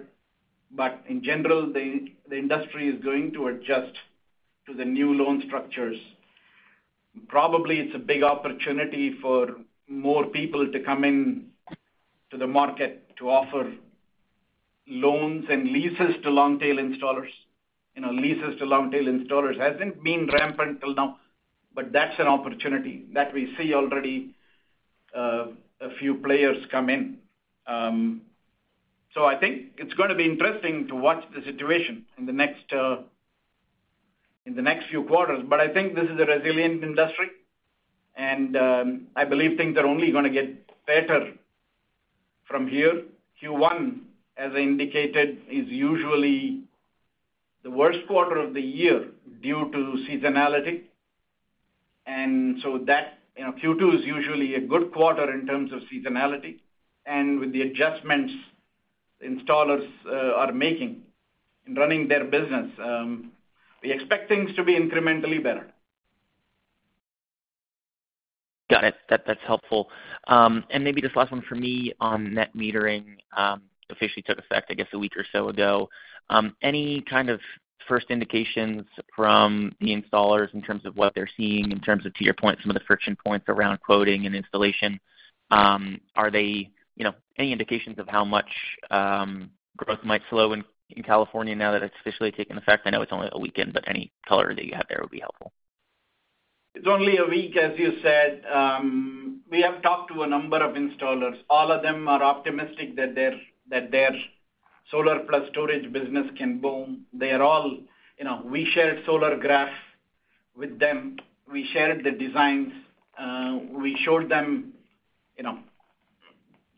In general, the industry is going to adjust to the new loan structures. Probably it's a big opportunity for more people to come in to the market to offer loans and leases to long tail installers. You know, leases to long tail installers hasn't been rampant till now, but that's an opportunity that we see already a few players come in. I think it's gonna be interesting to watch the situation in the next few quarters. I think this is a resilient industry, and I believe things are only gonna get better from here. Q1, as I indicated, is usually the worst quarter of the year due to seasonality. That, you know, Q2 is usually a good quarter in terms of seasonality. With the adjustments installers are making in running their business, we expect things to be incrementally better. Got it. That, that's helpful. Maybe just last one from me on NEM 3.0, officially took effect, I guess, a week or so ago. Any kind of first indications from the installers in terms of what they're seeing in terms of, to your point, some of the friction points around quoting and installation? Are they, you know, any indications of how much, growth might slow in California now that it's officially taken effect? I know it's only a weekend, but any color that you have there would be helpful. It's only a week, as you said. We have talked to a number of installers. All of them are optimistic that their solar plus storage business can boom. They are all, we shared Solargraf with them. We shared the designs. We showed them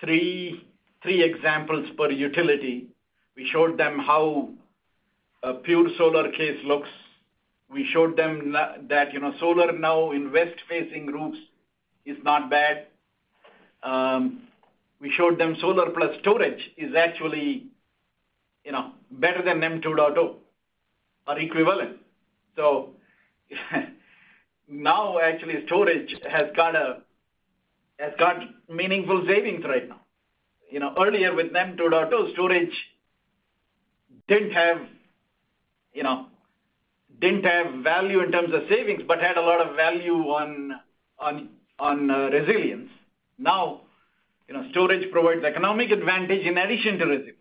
three examples per utility. We showed them how a pure solar case looks. We showed them that solar now in west-facing roofs is not bad. We showed them solar plus storage is actually better than NEM 2.0 or equivalent. Now actually storage has got meaningful savings right now. Earlier with NEM 2.0, storage didn't have value in terms of savings but had a lot of value on resilience. You know, storage provides economic advantage in addition to resilience.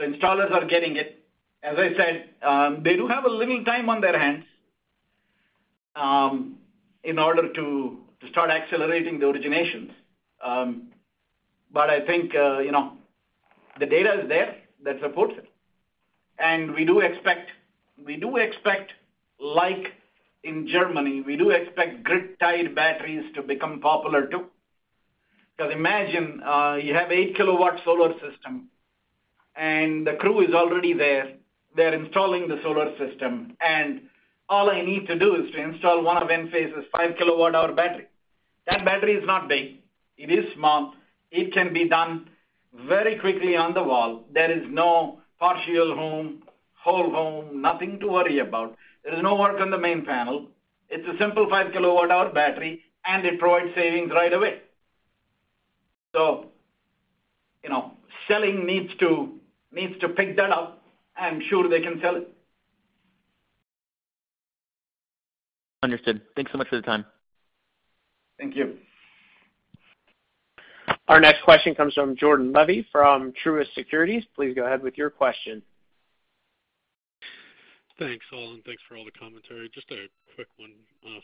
Installers are getting it. As I said, they do have a little time on their hands in order to start accelerating the originations. I think, you know, the data is there that supports it. We do expect like in Germany, we do expect grid-tied batteries to become popular too. 'Cause imagine, you have 8 kW solar system. The crew is already there. They're installing the solar system, and all I need to do is to install one of Enphase's 5 kWh battery. That battery is not big. It is small. It can be done very quickly on the wall. There is no partial home, whole home, nothing to worry about. There is no work on the main panel. It's a simple 5 kWh battery. It provides savings right away. You know, selling needs to pick that up. I'm sure they can sell it. Understood. Thanks so much for the time. Thank you. Our next question comes from Jordan Levy from Truist Securities. Please go ahead with your question. Thanks, all. Thanks for all the commentary. Just a quick one,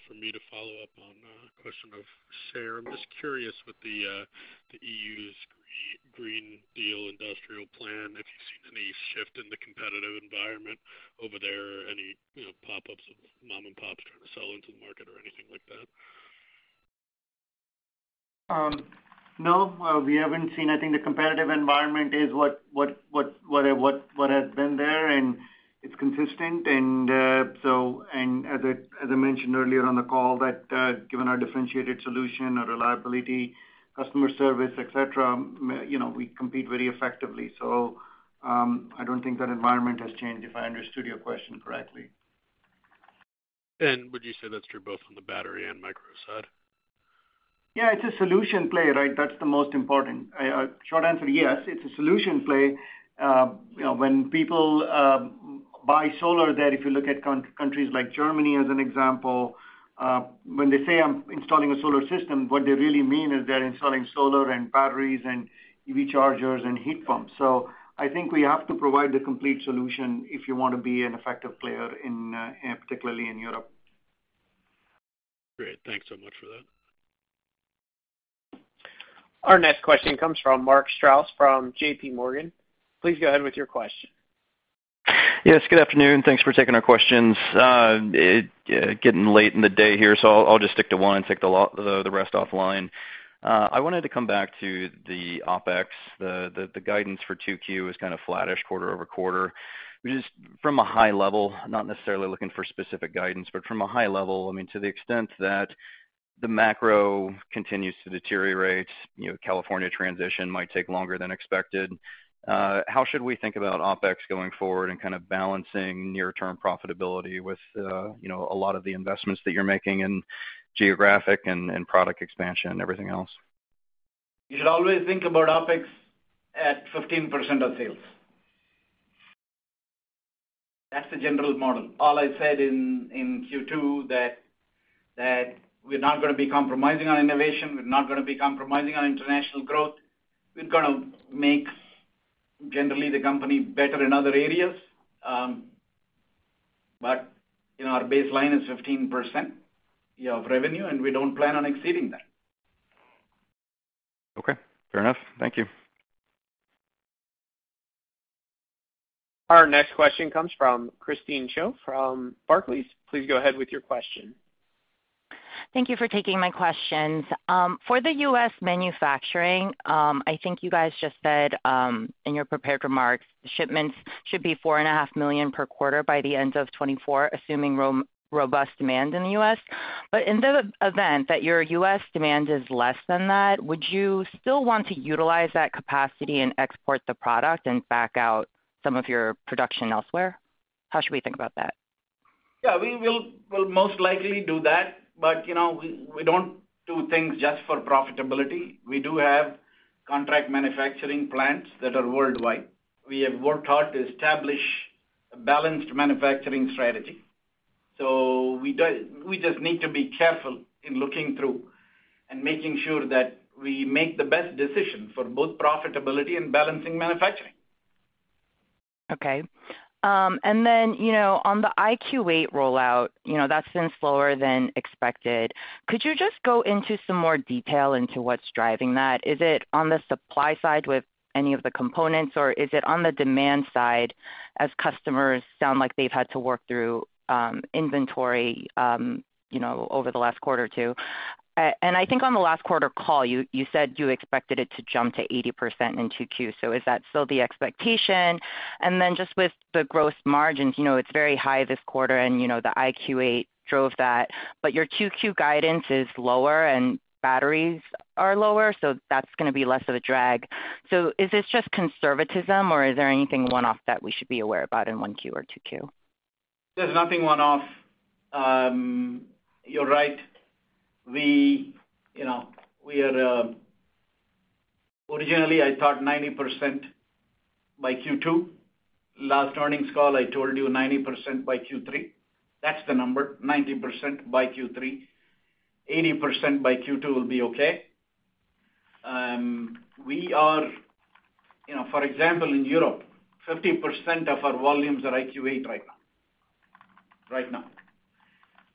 for me to follow up on a question of share. I'm just curious with the EU's Green Deal Industrial Plan, if you've seen any shift in the competitive environment over there, any, you know, pop-ups of mom and pops trying to sell into the market or anything like that. No, we haven't seen. I think the competitive environment is what has been there, and it's consistent. As I, as I mentioned earlier on the call that given our differentiated solution, our reliability, customer service, et cetera, you know, we compete very effectively. I don't think that environment has changed, if I understood your question correctly. Would you say that's true both on the battery and micro side? Yeah, it's a solution play, right? That's the most important. Short answer, yes, it's a solution play. You know, when people buy solar there, if you look at countries like Germany as an example, when they say I'm installing a solar system, what they really mean is they're installing solar and batteries and IQ EV chargers and heat pumps. I think we have to provide the complete solution if you want to be an effective player in, particularly in Europe. Great. Thanks so much for that. Our next question comes from Mark Strouse from JP Morgan. Please go ahead with your question. Yes, good afternoon. Thanks for taking our questions. It getting late in the day here, so I'll just stick to one and take the rest offline. I wanted to come back to the OpEx. The guidance for 2Q is kind of flattish quarter-over-quarter. Just from a high level, not necessarily looking for specific guidance, but from a high level, I mean, to the extent that the macro continues to deteriorate, you know, California transition might take longer than expected, how should we think about OpEx going forward and kind of balancing near-term profitability with, you know, a lot of the investments that you're making in geographic and product expansion and everything else? You should always think about OpEx at 15% of sales. That's the general model. All I said in Q2 that we're not gonna be compromising on innovation, we're not gonna be compromising on international growth. We're gonna make generally the company better in other areas. You know, our baseline is 15%, yeah, of revenue, and we don't plan on exceeding that. Okay, fair enough. Thank you. Our next question comes from Christine Cho from Barclays. Please go ahead with your question. Thank you for taking my questions. For the U.S. manufacturing, I think you guys just said, in your prepared remarks, shipments should be $4.5 million per quarter by the end of 2024, assuming robust demand in the U.S. In the event that your U.S. demand is less than that, would you still want to utilize that capacity and export the product and back out some of your production elsewhere? How should we think about that? Yeah, we will most likely do that. You know, we don't do things just for profitability. We do have contract manufacturing plants that are worldwide. We have worked hard to establish a balanced manufacturing strategy. We just need to be careful in looking through and making sure that we make the best decision for both profitability and balancing manufacturing. Okay. Then, you know, on the IQ8 rollout, you know, that's been slower than expected. Could you just go into some more detail into what's driving that? Is it on the supply side with any of the components, or is it on the demand side as customers sound like they've had to work through inventory, you know, over the last quarter or two? I think on the last quarter call you said you expected it to jump to 80% in 2Q. Is that still the expectation? Then just with the gross margins, you know, it's very high this quarter and, you know, the IQ8 drove that, but your 2Q guidance is lower and batteries are lower, so that's gonna be less of a drag. Is this just conservatism or is there anything one-off that we should be aware about in 1Q or 2Q? There's nothing one-off. You're right. We are originally I thought 90% by Q2. Last earnings call, I told you 90% by Q3. That's the number, 90% by Q3. 80% by Q2 will be okay. We are, for example, in Europe, 50% of our volumes are IQ8 right now. Right now.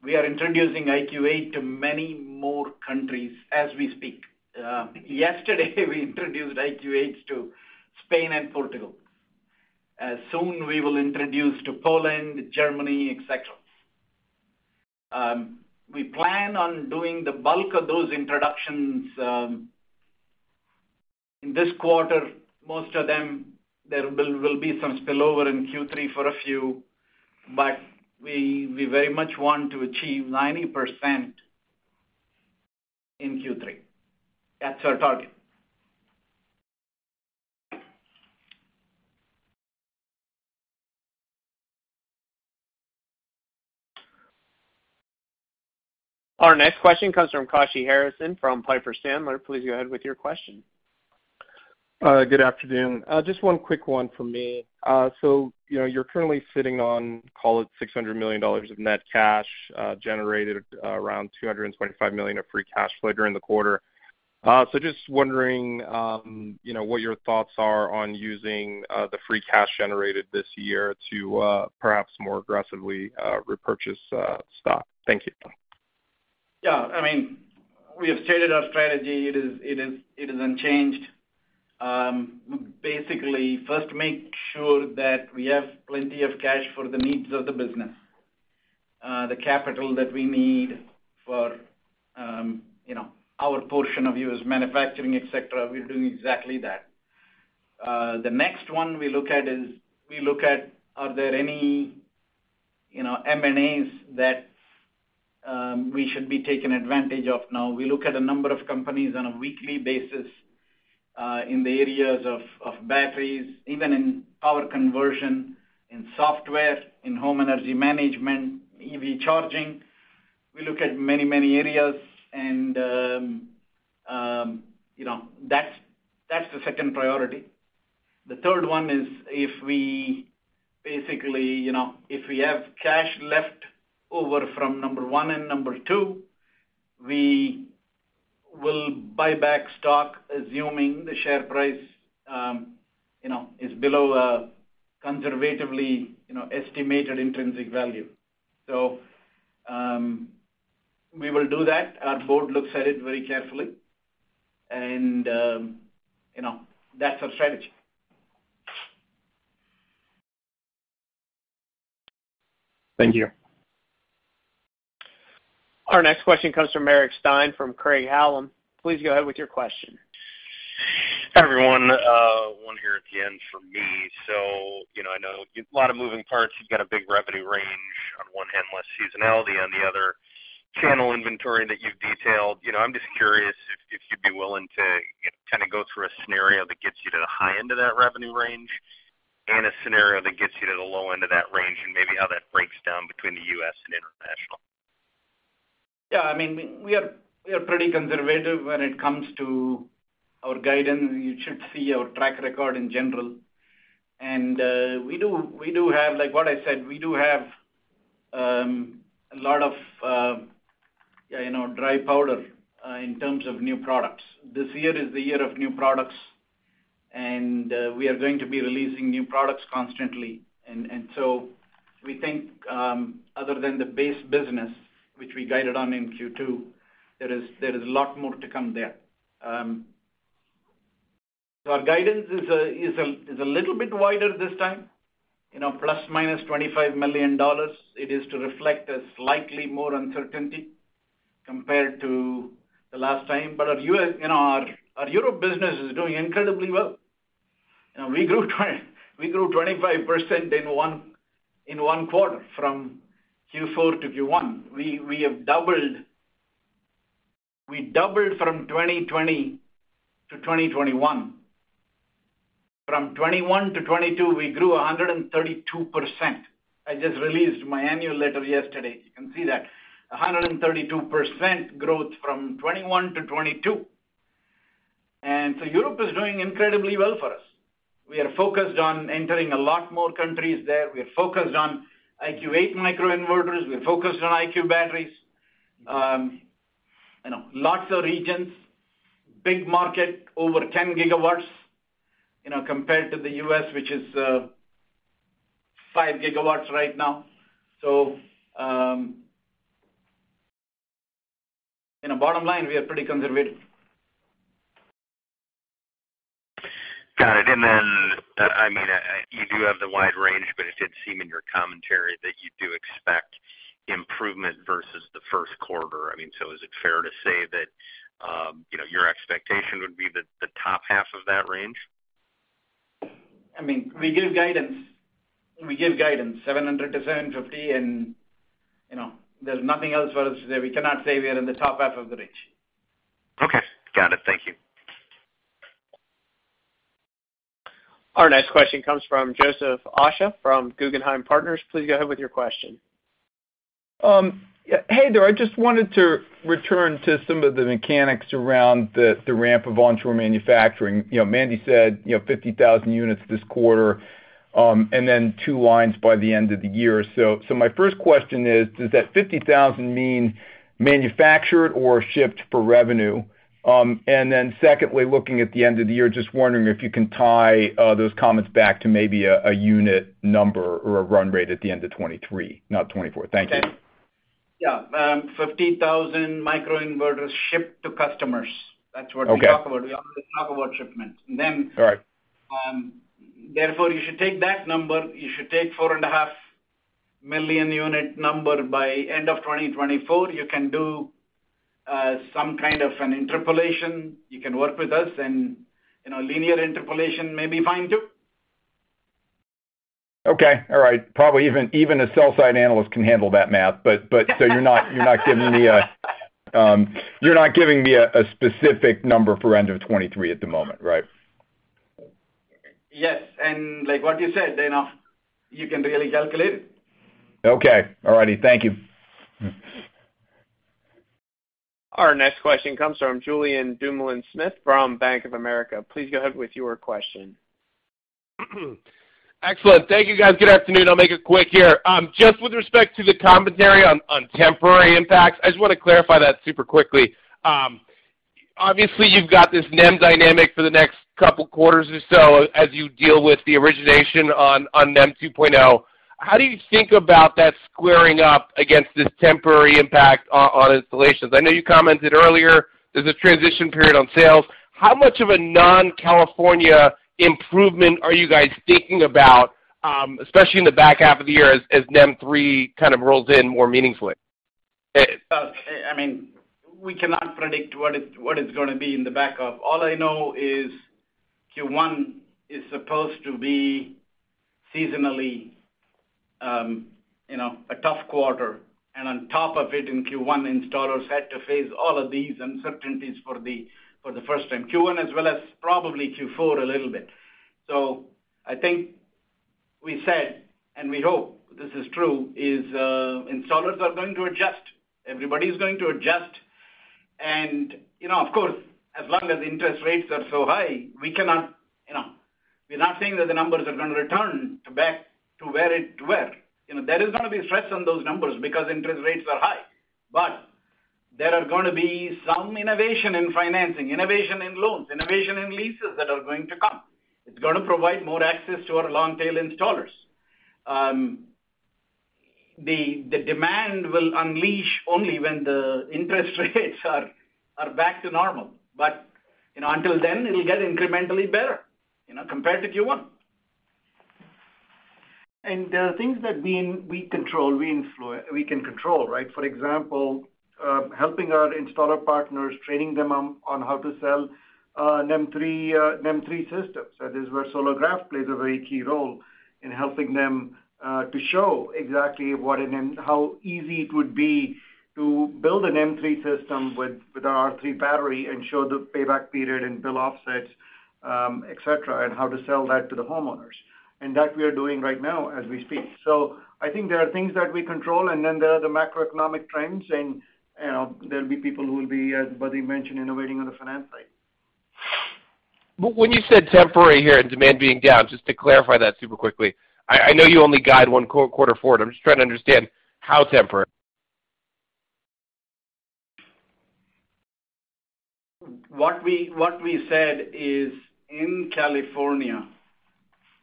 We are introducing IQ8 to many more countries as we speak. Yesterday we introduced IQ8s to Spain and Portugal. Soon we will introduce to Poland, Germany, et cetera. We plan on doing the bulk of those introductions in this quarter, most of them. There will be some spillover in Q3 for a few, but we very much want to achieve 90% in Q3. That's our target. Our next question comes from Kashy Harrison from Piper Sandler. Please go ahead with your question. Good afternoon. Just one quick one from me. You know, you're currently sitting on, call it $600 million of net cash, generated around $225 million of free cash flow during the quarter. Just wondering, you know, what your thoughts are on using the free cash generated this year to perhaps more aggressively repurchase stock. Thank you. I mean, we have stated our strategy. It is unchanged. Basically, first make sure that we have plenty of cash for the needs of the business. The capital that we need for, you know, our portion of U.S. manufacturing, et cetera, we're doing exactly that. The next one we look at is we look at are there any, you know, M&As that we should be taking advantage of now. We look at a number of companies on a weekly basis, in the areas of batteries, even in power conversion, in software, in home energy management, EV charging. We look at many areas and, you know. That's the second priority. The third one is if we basically, you know, if we have cash left over from number one and number two, we will buy back stock assuming the share price, you know, is below a conservatively, you know, estimated intrinsic value. We will do that. Our board looks at it very carefully and, you know. That's our strategy. Thank you. Our next question comes from Eric Stine from Craig-Hallum. Please go ahead with your question. Hi, everyone, one here at the end from me. You know, I know lot of moving parts. You've got a big revenue range on one hand, less seasonality on the other. Channel inventory that you've detailed. You know, I'm just curious if you'd be willing to, you know, kind of go through a scenario that gets you to the high end of that revenue range and a scenario that gets you to the low end of that range, and maybe how that breaks down between the U.S. and international. Yeah. I mean, we are pretty conservative when it comes to our guidance. You should see our track record in general. We do have, like what I said, we do have a lot of, you know, dry powder in terms of new products. This year is the year of new products, we are going to be releasing new products constantly. We think, other than the base business which we guided on in Q2, there is a lot more to come there. Our guidance is a little bit wider this time, you know, plus minus $25 million. It is to reflect a slightly more uncertainty compared to the last time. Our U.S., you know, our Europe business is doing incredibly well. You know, we grew 25% in one quarter from Q4 to Q1. We doubled from 2020 to 2021. From 2021 to 2022, we grew 132%. I just released my annual letter yesterday. You can see that. 132% growth from 2021 to 2022. Europe is doing incredibly well for us. We are focused on entering a lot more countries there. We are focused on IQ8 microinverters. We're focused on IQ batteries. You know, lots of regions, big market, over 10 GW, you know, compared to the US, which is 5 GW right now. You know, bottom line, we are pretty conservative. Got it. I mean, you do have the wide range, but it did seem in your commentary that you do expect improvement versus the first quarter. Is it fair to say that, you know, your expectation would be the top half of that range? I mean, we give guidance. We give guidance, 700-750, you know, there's nothing else for us. We cannot say we are in the top half of the range. Okay. Got it. Thank you. Our next question comes from Joseph Osha from Guggenheim Securities. Please go ahead with your question. Yeah. Hey there. I just wanted to return to some of the mechanics around the ramp of onshore manufacturing. You know, Mandy said, you know, 50,000 units this quarter, and then two lines by the end of the year. My first question is, does that 50,000 mean manufactured or shipped for revenue? Secondly, looking at the end of the year, just wondering if you can tie those comments back to maybe a unit number or a run rate at the end of 2023, not 2024. Thank you. Yeah. 50,000 microinverters shipped to customers. That's what we talk about. Okay. We always talk about shipments. All right. You should take that number. You should take 4.5 million unit number by end of 2024. You can do some kind of an interpolation. You can work with us and, you know, linear interpolation may be fine too. Okay. All right. Probably even a sell side analyst can handle that math. You're not giving me a, you're not giving me a specific number for end of 23 at the moment, right? Yes. Like what you said, Dana, you can really calculate it. Okay. All righty. Thank you. Our next question comes from Julien Dumoulin-Smith from Bank of America. Please go ahead with your question. Excellent. Thank you, guys. Good afternoon. I'll make it quick here. just with respect to the commentary on temporary impacts, I just wanna clarify that super quickly. obviously, you've got this NEM dynamic for the next two quarters or so as you deal with the origination on NEM 2.0. How do you think about that squaring up against this temporary impact on installations? I know you commented earlier there's a transition period on sales. How much of a non-California improvement are you guys thinking about, especially in the back half of the year as NEM 3.0 kind of rolls in more meaningfully? I mean, we cannot predict what is, what is gonna be in the back half. All I know is Q1 is supposed to be seasonally, you know, a tough quarter. On top of it, in Q1, installers had to face all of these uncertainties for the, for the first time. Q1 as well as probably Q4 a little bit. I think we said, and we hope this is true, is, installers are going to adjust. Everybody's going to adjust. You know, of course, as long as interest rates are so high, we cannot, you know, we're not saying that the numbers are gonna return to back to where it were. You know, there is gonna be stress on those numbers because interest rates are high. There are gonna be some innovation in financing, innovation in loans, innovation in leases that are going to come. It's gonna provide more access to our long tail installers. The demand will unleash only when the interest rates are back to normal. You know, until then, it'll get incrementally better, you know, compared to Q1. There are things that we control, we can control, right? For example, helping our installer partners, training them on how to sell NEM 3.0, NEM 3.0 systems. That is where Solargraf plays a very key role in helping them to show exactly how easy it would be to build an NEM 3.0 system with our R3 battery and show the payback period and bill offsets, et cetera, and how to sell that to the homeowners. That we are doing right now as we speak. I think there are things that we control, and then there are the macroeconomic trends and, you know, there'll be people who will be, as Raghu Belur mentioned, innovating on the finance side. When you said temporary here and demand being down, just to clarify that super quickly. I know you only guide one quarter forward. I'm just trying to understand how temporary? What we said is in California,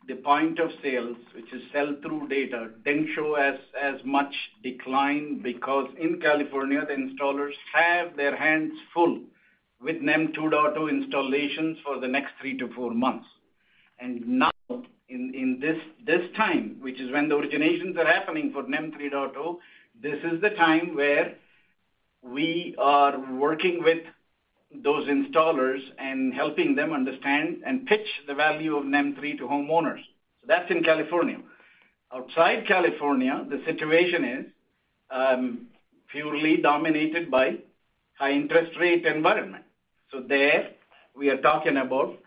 the point of sales, which is sell-through data, didn't show as much decline because in California, the installers have their hands full with NEM 2.0 installations for the next three-four months. Now in this time, which is when the originations are happening for NEM 3.0, this is the time where we are working with those installers and helping them understand and pitch the value of NEM 3.0 to homeowners. That's in California. Outside California, the situation is purely dominated by high interest rate environment. There we are talking about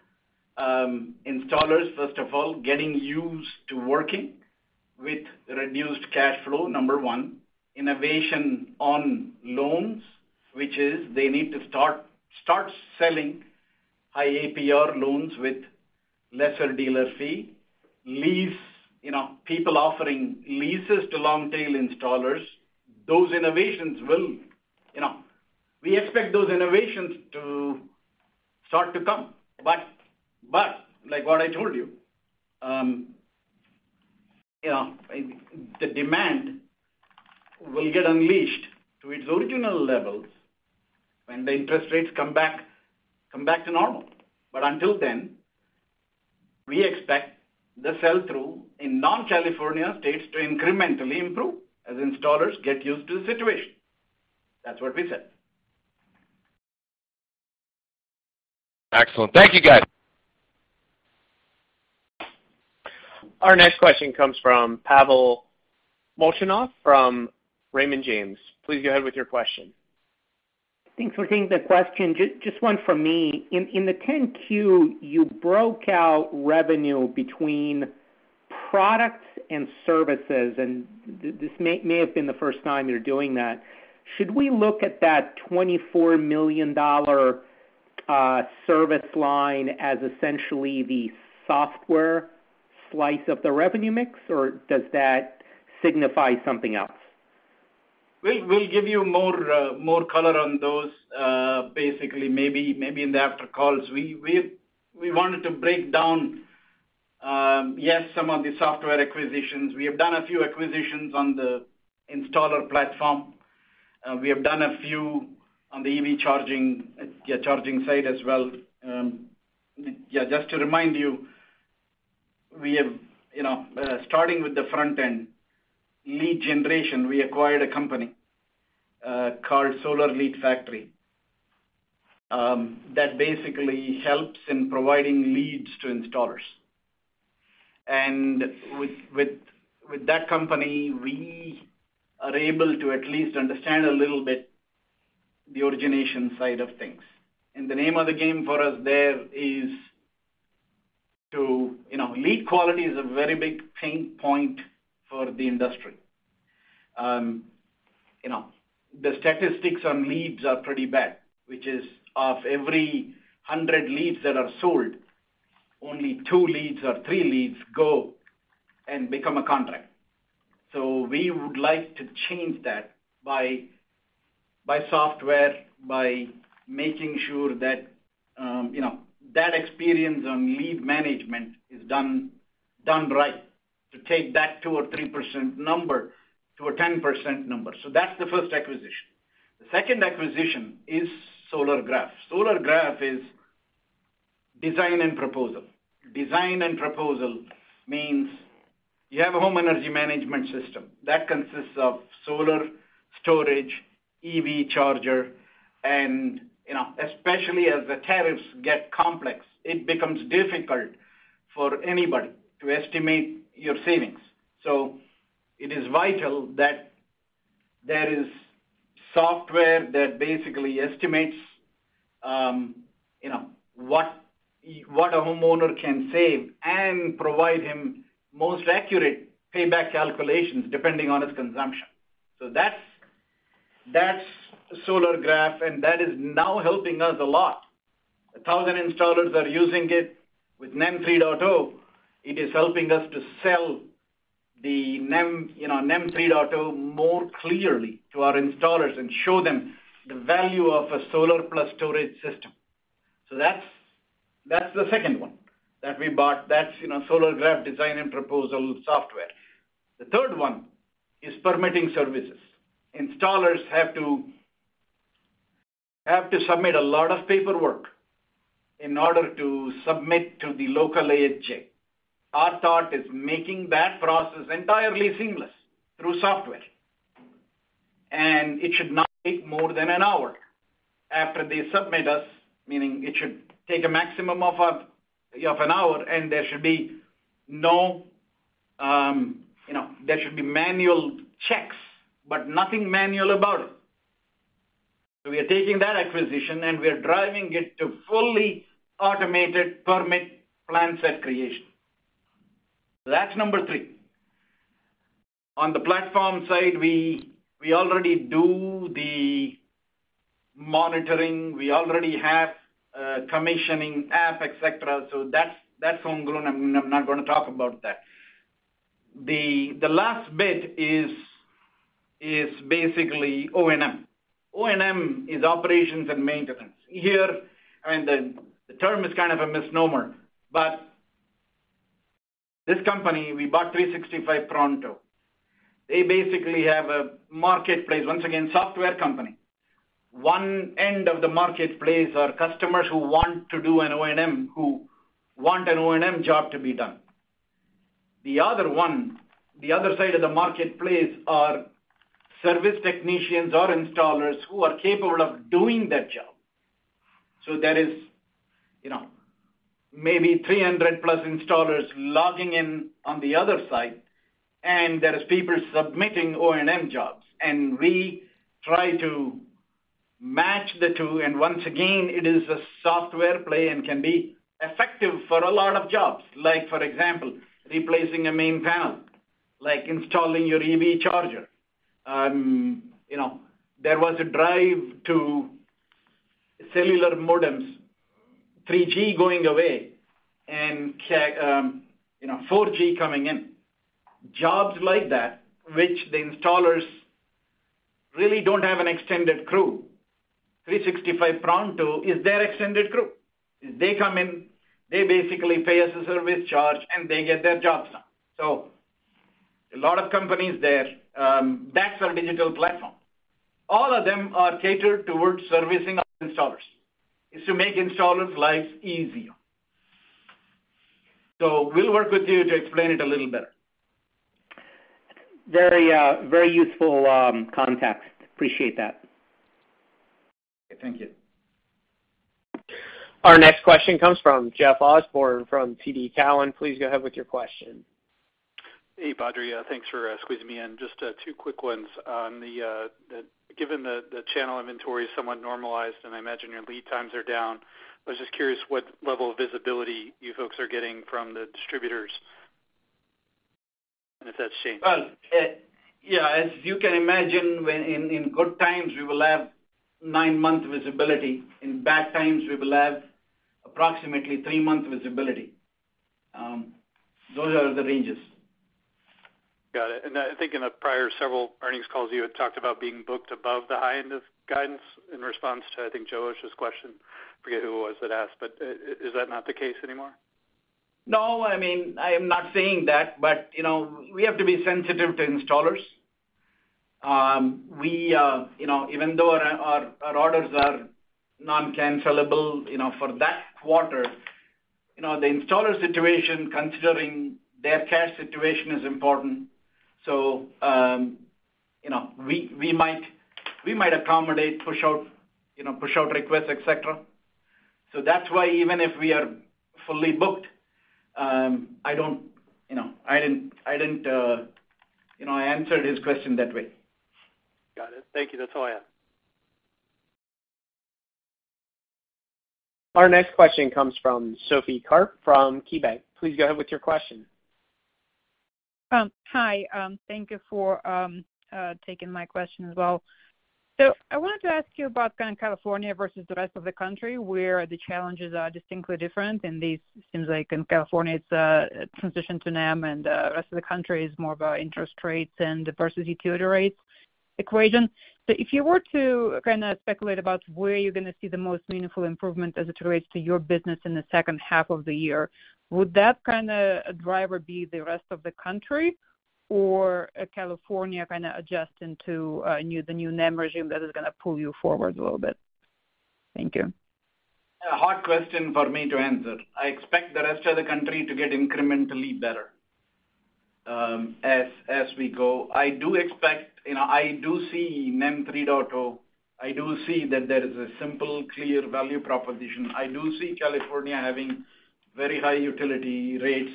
installers, first of all, getting used to working with reduced cash flow, number 1. Innovation on loans, which is they need to start selling high APR loans with lesser dealer fee. Lease, you know, people offering leases to long tail installers. Those innovations will, you know. We expect those innovations to start to come. Like what I told you know, the demand will get unleashed to its original levels when the interest rates come back to normal. Until then, we expect the sell-through in non-California states to incrementally improve as installers get used to the situation. That's what we said. Excellent. Thank you, guys. Our next question comes from Pavel Molchanov from Raymond James. Please go ahead with your question. Thanks for taking the question. Just one from me. In the 10-Q, you broke out revenue between products and services, and this may have been the first time you're doing that. Should we look at that $24 million service line as essentially the software slice of the revenue mix, or does that signify something else? We'll give you more color on those, basically maybe in the after calls. We wanted to break down some of the software acquisitions. We have done a few acquisitions on the installer platform. We have done a few on the EV charging side as well. Just to remind you, we have, you know, starting with the front end, lead generation, we acquired a company called SolarLeadFactory that basically helps in providing leads to installers. With that company, we are able to at least understand a little bit the origination side of things. The name of the game for us there is to, you know, lead quality is a very big pain point for the industry. You know, the statistics on leads are pretty bad, which is of every 100 leads that are sold, only 2 leads or 3 leads go and become a contract. We would like to change that by software, by making sure that, you know, that experience on lead management is done right to take that 2% or 3% number to a 10% number. That's the first acquisition. The second acquisition is Solargraf. Solargraf is design and proposal. Design and proposal means you have a home energy management system that consists of solar, storage, IQ EV Charger, and, you know, especially as the tariffs get complex, it becomes difficult for anybody to estimate your savings. It is vital that there is software that basically estimates, you know, what a homeowner can save and provide him most accurate payback calculations depending on his consumption. That's Solargraf, and that is now helping us a lot. 1,000 installers are using it with NEM 3.0. It is helping us to sell the NEM 3.0 more clearly to our installers and show them the value of a solar plus storage system. That's the second one that we bought. That's, you know, Solargraf design and proposal software. The third one is permitting services. Installers have to submit a lot of paperwork in order to submit to the local AHJ. Our thought is making that process entirely seamless through software. It should not take more than an hour after they submit us, meaning it should take a maximum of an hour, you know, there should be manual checks, but nothing manual about it. We are taking that acquisition, and we are driving it to fully automated permit plan set creation. That's number three. On the platform side, we already do the monitoring. We already have a commissioning app, et cetera. That's homegrown. I'm not gonna talk about that. The last bit is basically O&M. O&M is operations and maintenance. Here, I mean, the term is kind of a misnomer, but this company, we bought 365 Pronto. They basically have a marketplace. Once again, software company. One end of the marketplace are customers who want to do an O&M, who want an O&M job to be done. The other side of the marketplace are service technicians or installers who are capable of doing that job. There is, you know, maybe 300+ installers logging in on the other side, and there is people submitting O&M jobs. We try to match the two, and once again, it is a software play and can be effective for a lot of jobs. Like for example, replacing a main panel, like installing your EV Charger. You know, there was a drive to cellular modems, 3G going away and, you know, 4G coming in. Jobs like that, which the installers really don't have an extended crew, 365 Pronto is their extended crew. They come in, they basically pay us a service charge, and they get their jobs done. A lot of companies there, that's our digital platform. All of them are catered towards servicing our installers. It's to make installers' lives easier. We'll work with you to explain it a little better. Very, very useful context. Appreciate that. Thank you. Our next question comes from Jeff Osborne from TD Cowen. Please go ahead with your question. Hey, Badri. thanks for squeezing me in. Just two quick ones. Given the channel inventory is somewhat normalized, and I imagine your lead times are down, I was just curious what level of visibility you folks are getting from the distributors, and if that's changed. Yeah, as you can imagine, when in good times, we will have nine-month visibility. In bad times, we will have approximately three-month visibility. Those are the ranges. Got it. I think in the prior several earnings calls, you had talked about being booked above the high end of guidance in response to, I think, Joseph Osha's question. Forget who it was that asked, but is that not the case anymore? I mean, I am not saying that, you know, we have to be sensitive to installers. we, you know, even though our orders are non-cancelable, you know, for that quarter, you know, the installer situation, considering their cash situation is important. you know, we might accommodate, push out, you know, push out requests, et cetera. that's why even if we are fully booked, I don't, you know, I didn't, you know, I answered his question that way. Got it. Thank you. That's all. Our next question comes from Sophie Karp from KeyBank. Please go ahead with your question. Hi, thank you for taking my question as well. I wanted to ask you about kind of California versus the rest of the country, where the challenges are distinctly different, and these seems like in California it's transition to NEM and rest of the country is more about interest rates and versus utility rates equation. If you were to kinda speculate about where you're gonna see the most meaningful improvement as it relates to your business in the second half of the year, would that kinda driver be the rest of the country or California kinda adjusting to new, the new NEM regime that is gonna pull you forward a little bit? Thank you. A hard question for me to answer. I expect the rest of the country to get incrementally better, as we go. I do expect, you know, I do see NEM 3.0. I do see that there is a simple, clear value proposition. I do see California having very high utility rates.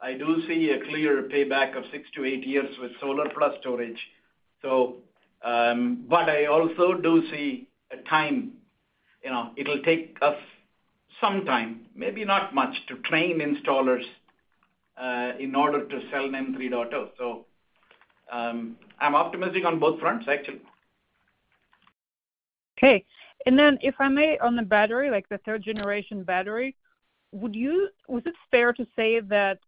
I do see a clear payback of 6 to 8 years with solar plus storage. But I also do see a time, you know, it'll take us some time, maybe not much, to train installers in order to sell NEM 3.0. I'm optimistic on both fronts, actually. Okay. If I may, on the battery, like the third generation battery, was it fair to say that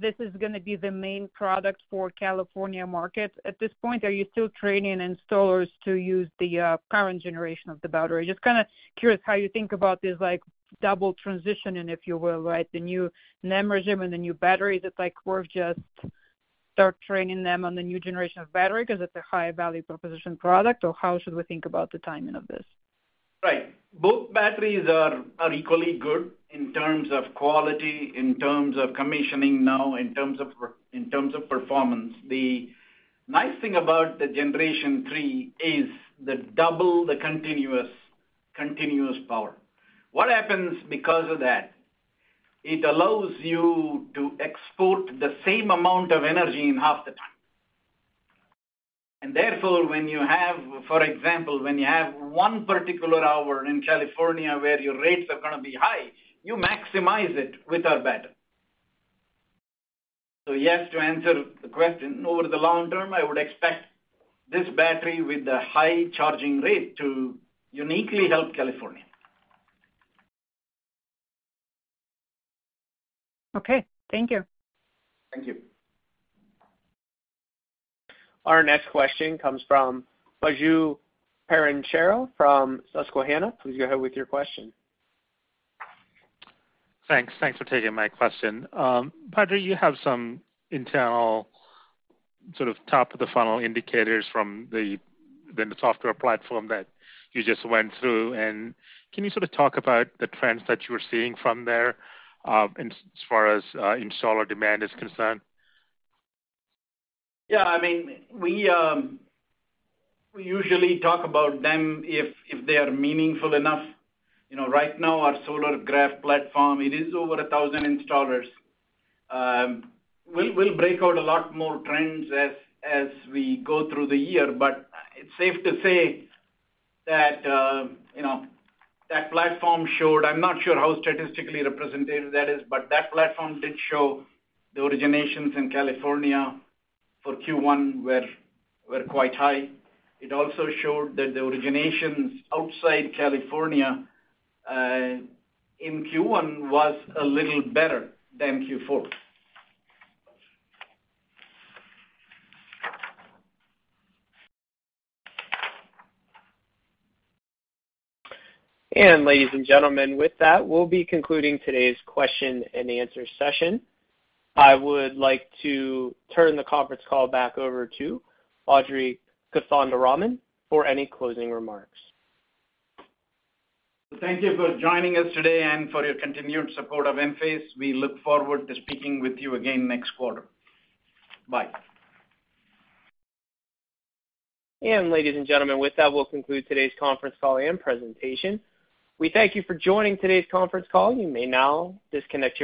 this is gonna be the main product for California market? At this point, are you still training installers to use the current generation of the battery? Just kinda curious how you think about this, like, double transitioning, if you will, right? The new NEM regime and the new battery that's like, we're just start training them on the new generation of battery 'cause it's a high value proposition product, or how should we think about the timing of this? Right. Both batteries are equally good in terms of quality, in terms of commissioning now, in terms of performance. The nice thing about the generation 3 is the double, the continuous power. What happens because of that, it allows you to export the same amount of energy in half the time. Therefore, when you have, for example, when you have 1 particular hour in California where your rates are gonna be high, you maximize it with our battery. Yes, to answer the question, over the long term, I would expect this battery with the high charging rate to uniquely help California. Okay. Thank you. Thank you. Our next question comes from Biju Perincheril from Susquehanna. Please go ahead with your question. Thanks. Thanks for taking my question. Badri, you have some internal sort of top of the funnel indicators from the software platform that you just went through. Can you sort of talk about the trends that you are seeing from there, in as far as solar demand is concerned? Yeah, I mean, we usually talk about them if they are meaningful enough. You know, right now our Solargraf platform, it is over 1,000 installers. We'll break out a lot more trends as we go through the year, but it's safe to say that, you know, that platform showed, I'm not sure how statistically representative that is, but that platform did show the originations in California for Q1 were quite high. It also showed that the originations outside California in Q1 was a little better than Q4. Ladies and gentlemen, with that, we'll be concluding today's question and answer session. I would like to turn the conference call back over to Badri Kothandaraman for any closing remarks. Thank you for joining us today and for your continued support of Enphase. We look forward to speaking with you again next quarter. Bye. Ladies and gentlemen, with that, we'll conclude today's conference call and presentation. We thank you for joining today's conference call. You may now disconnect.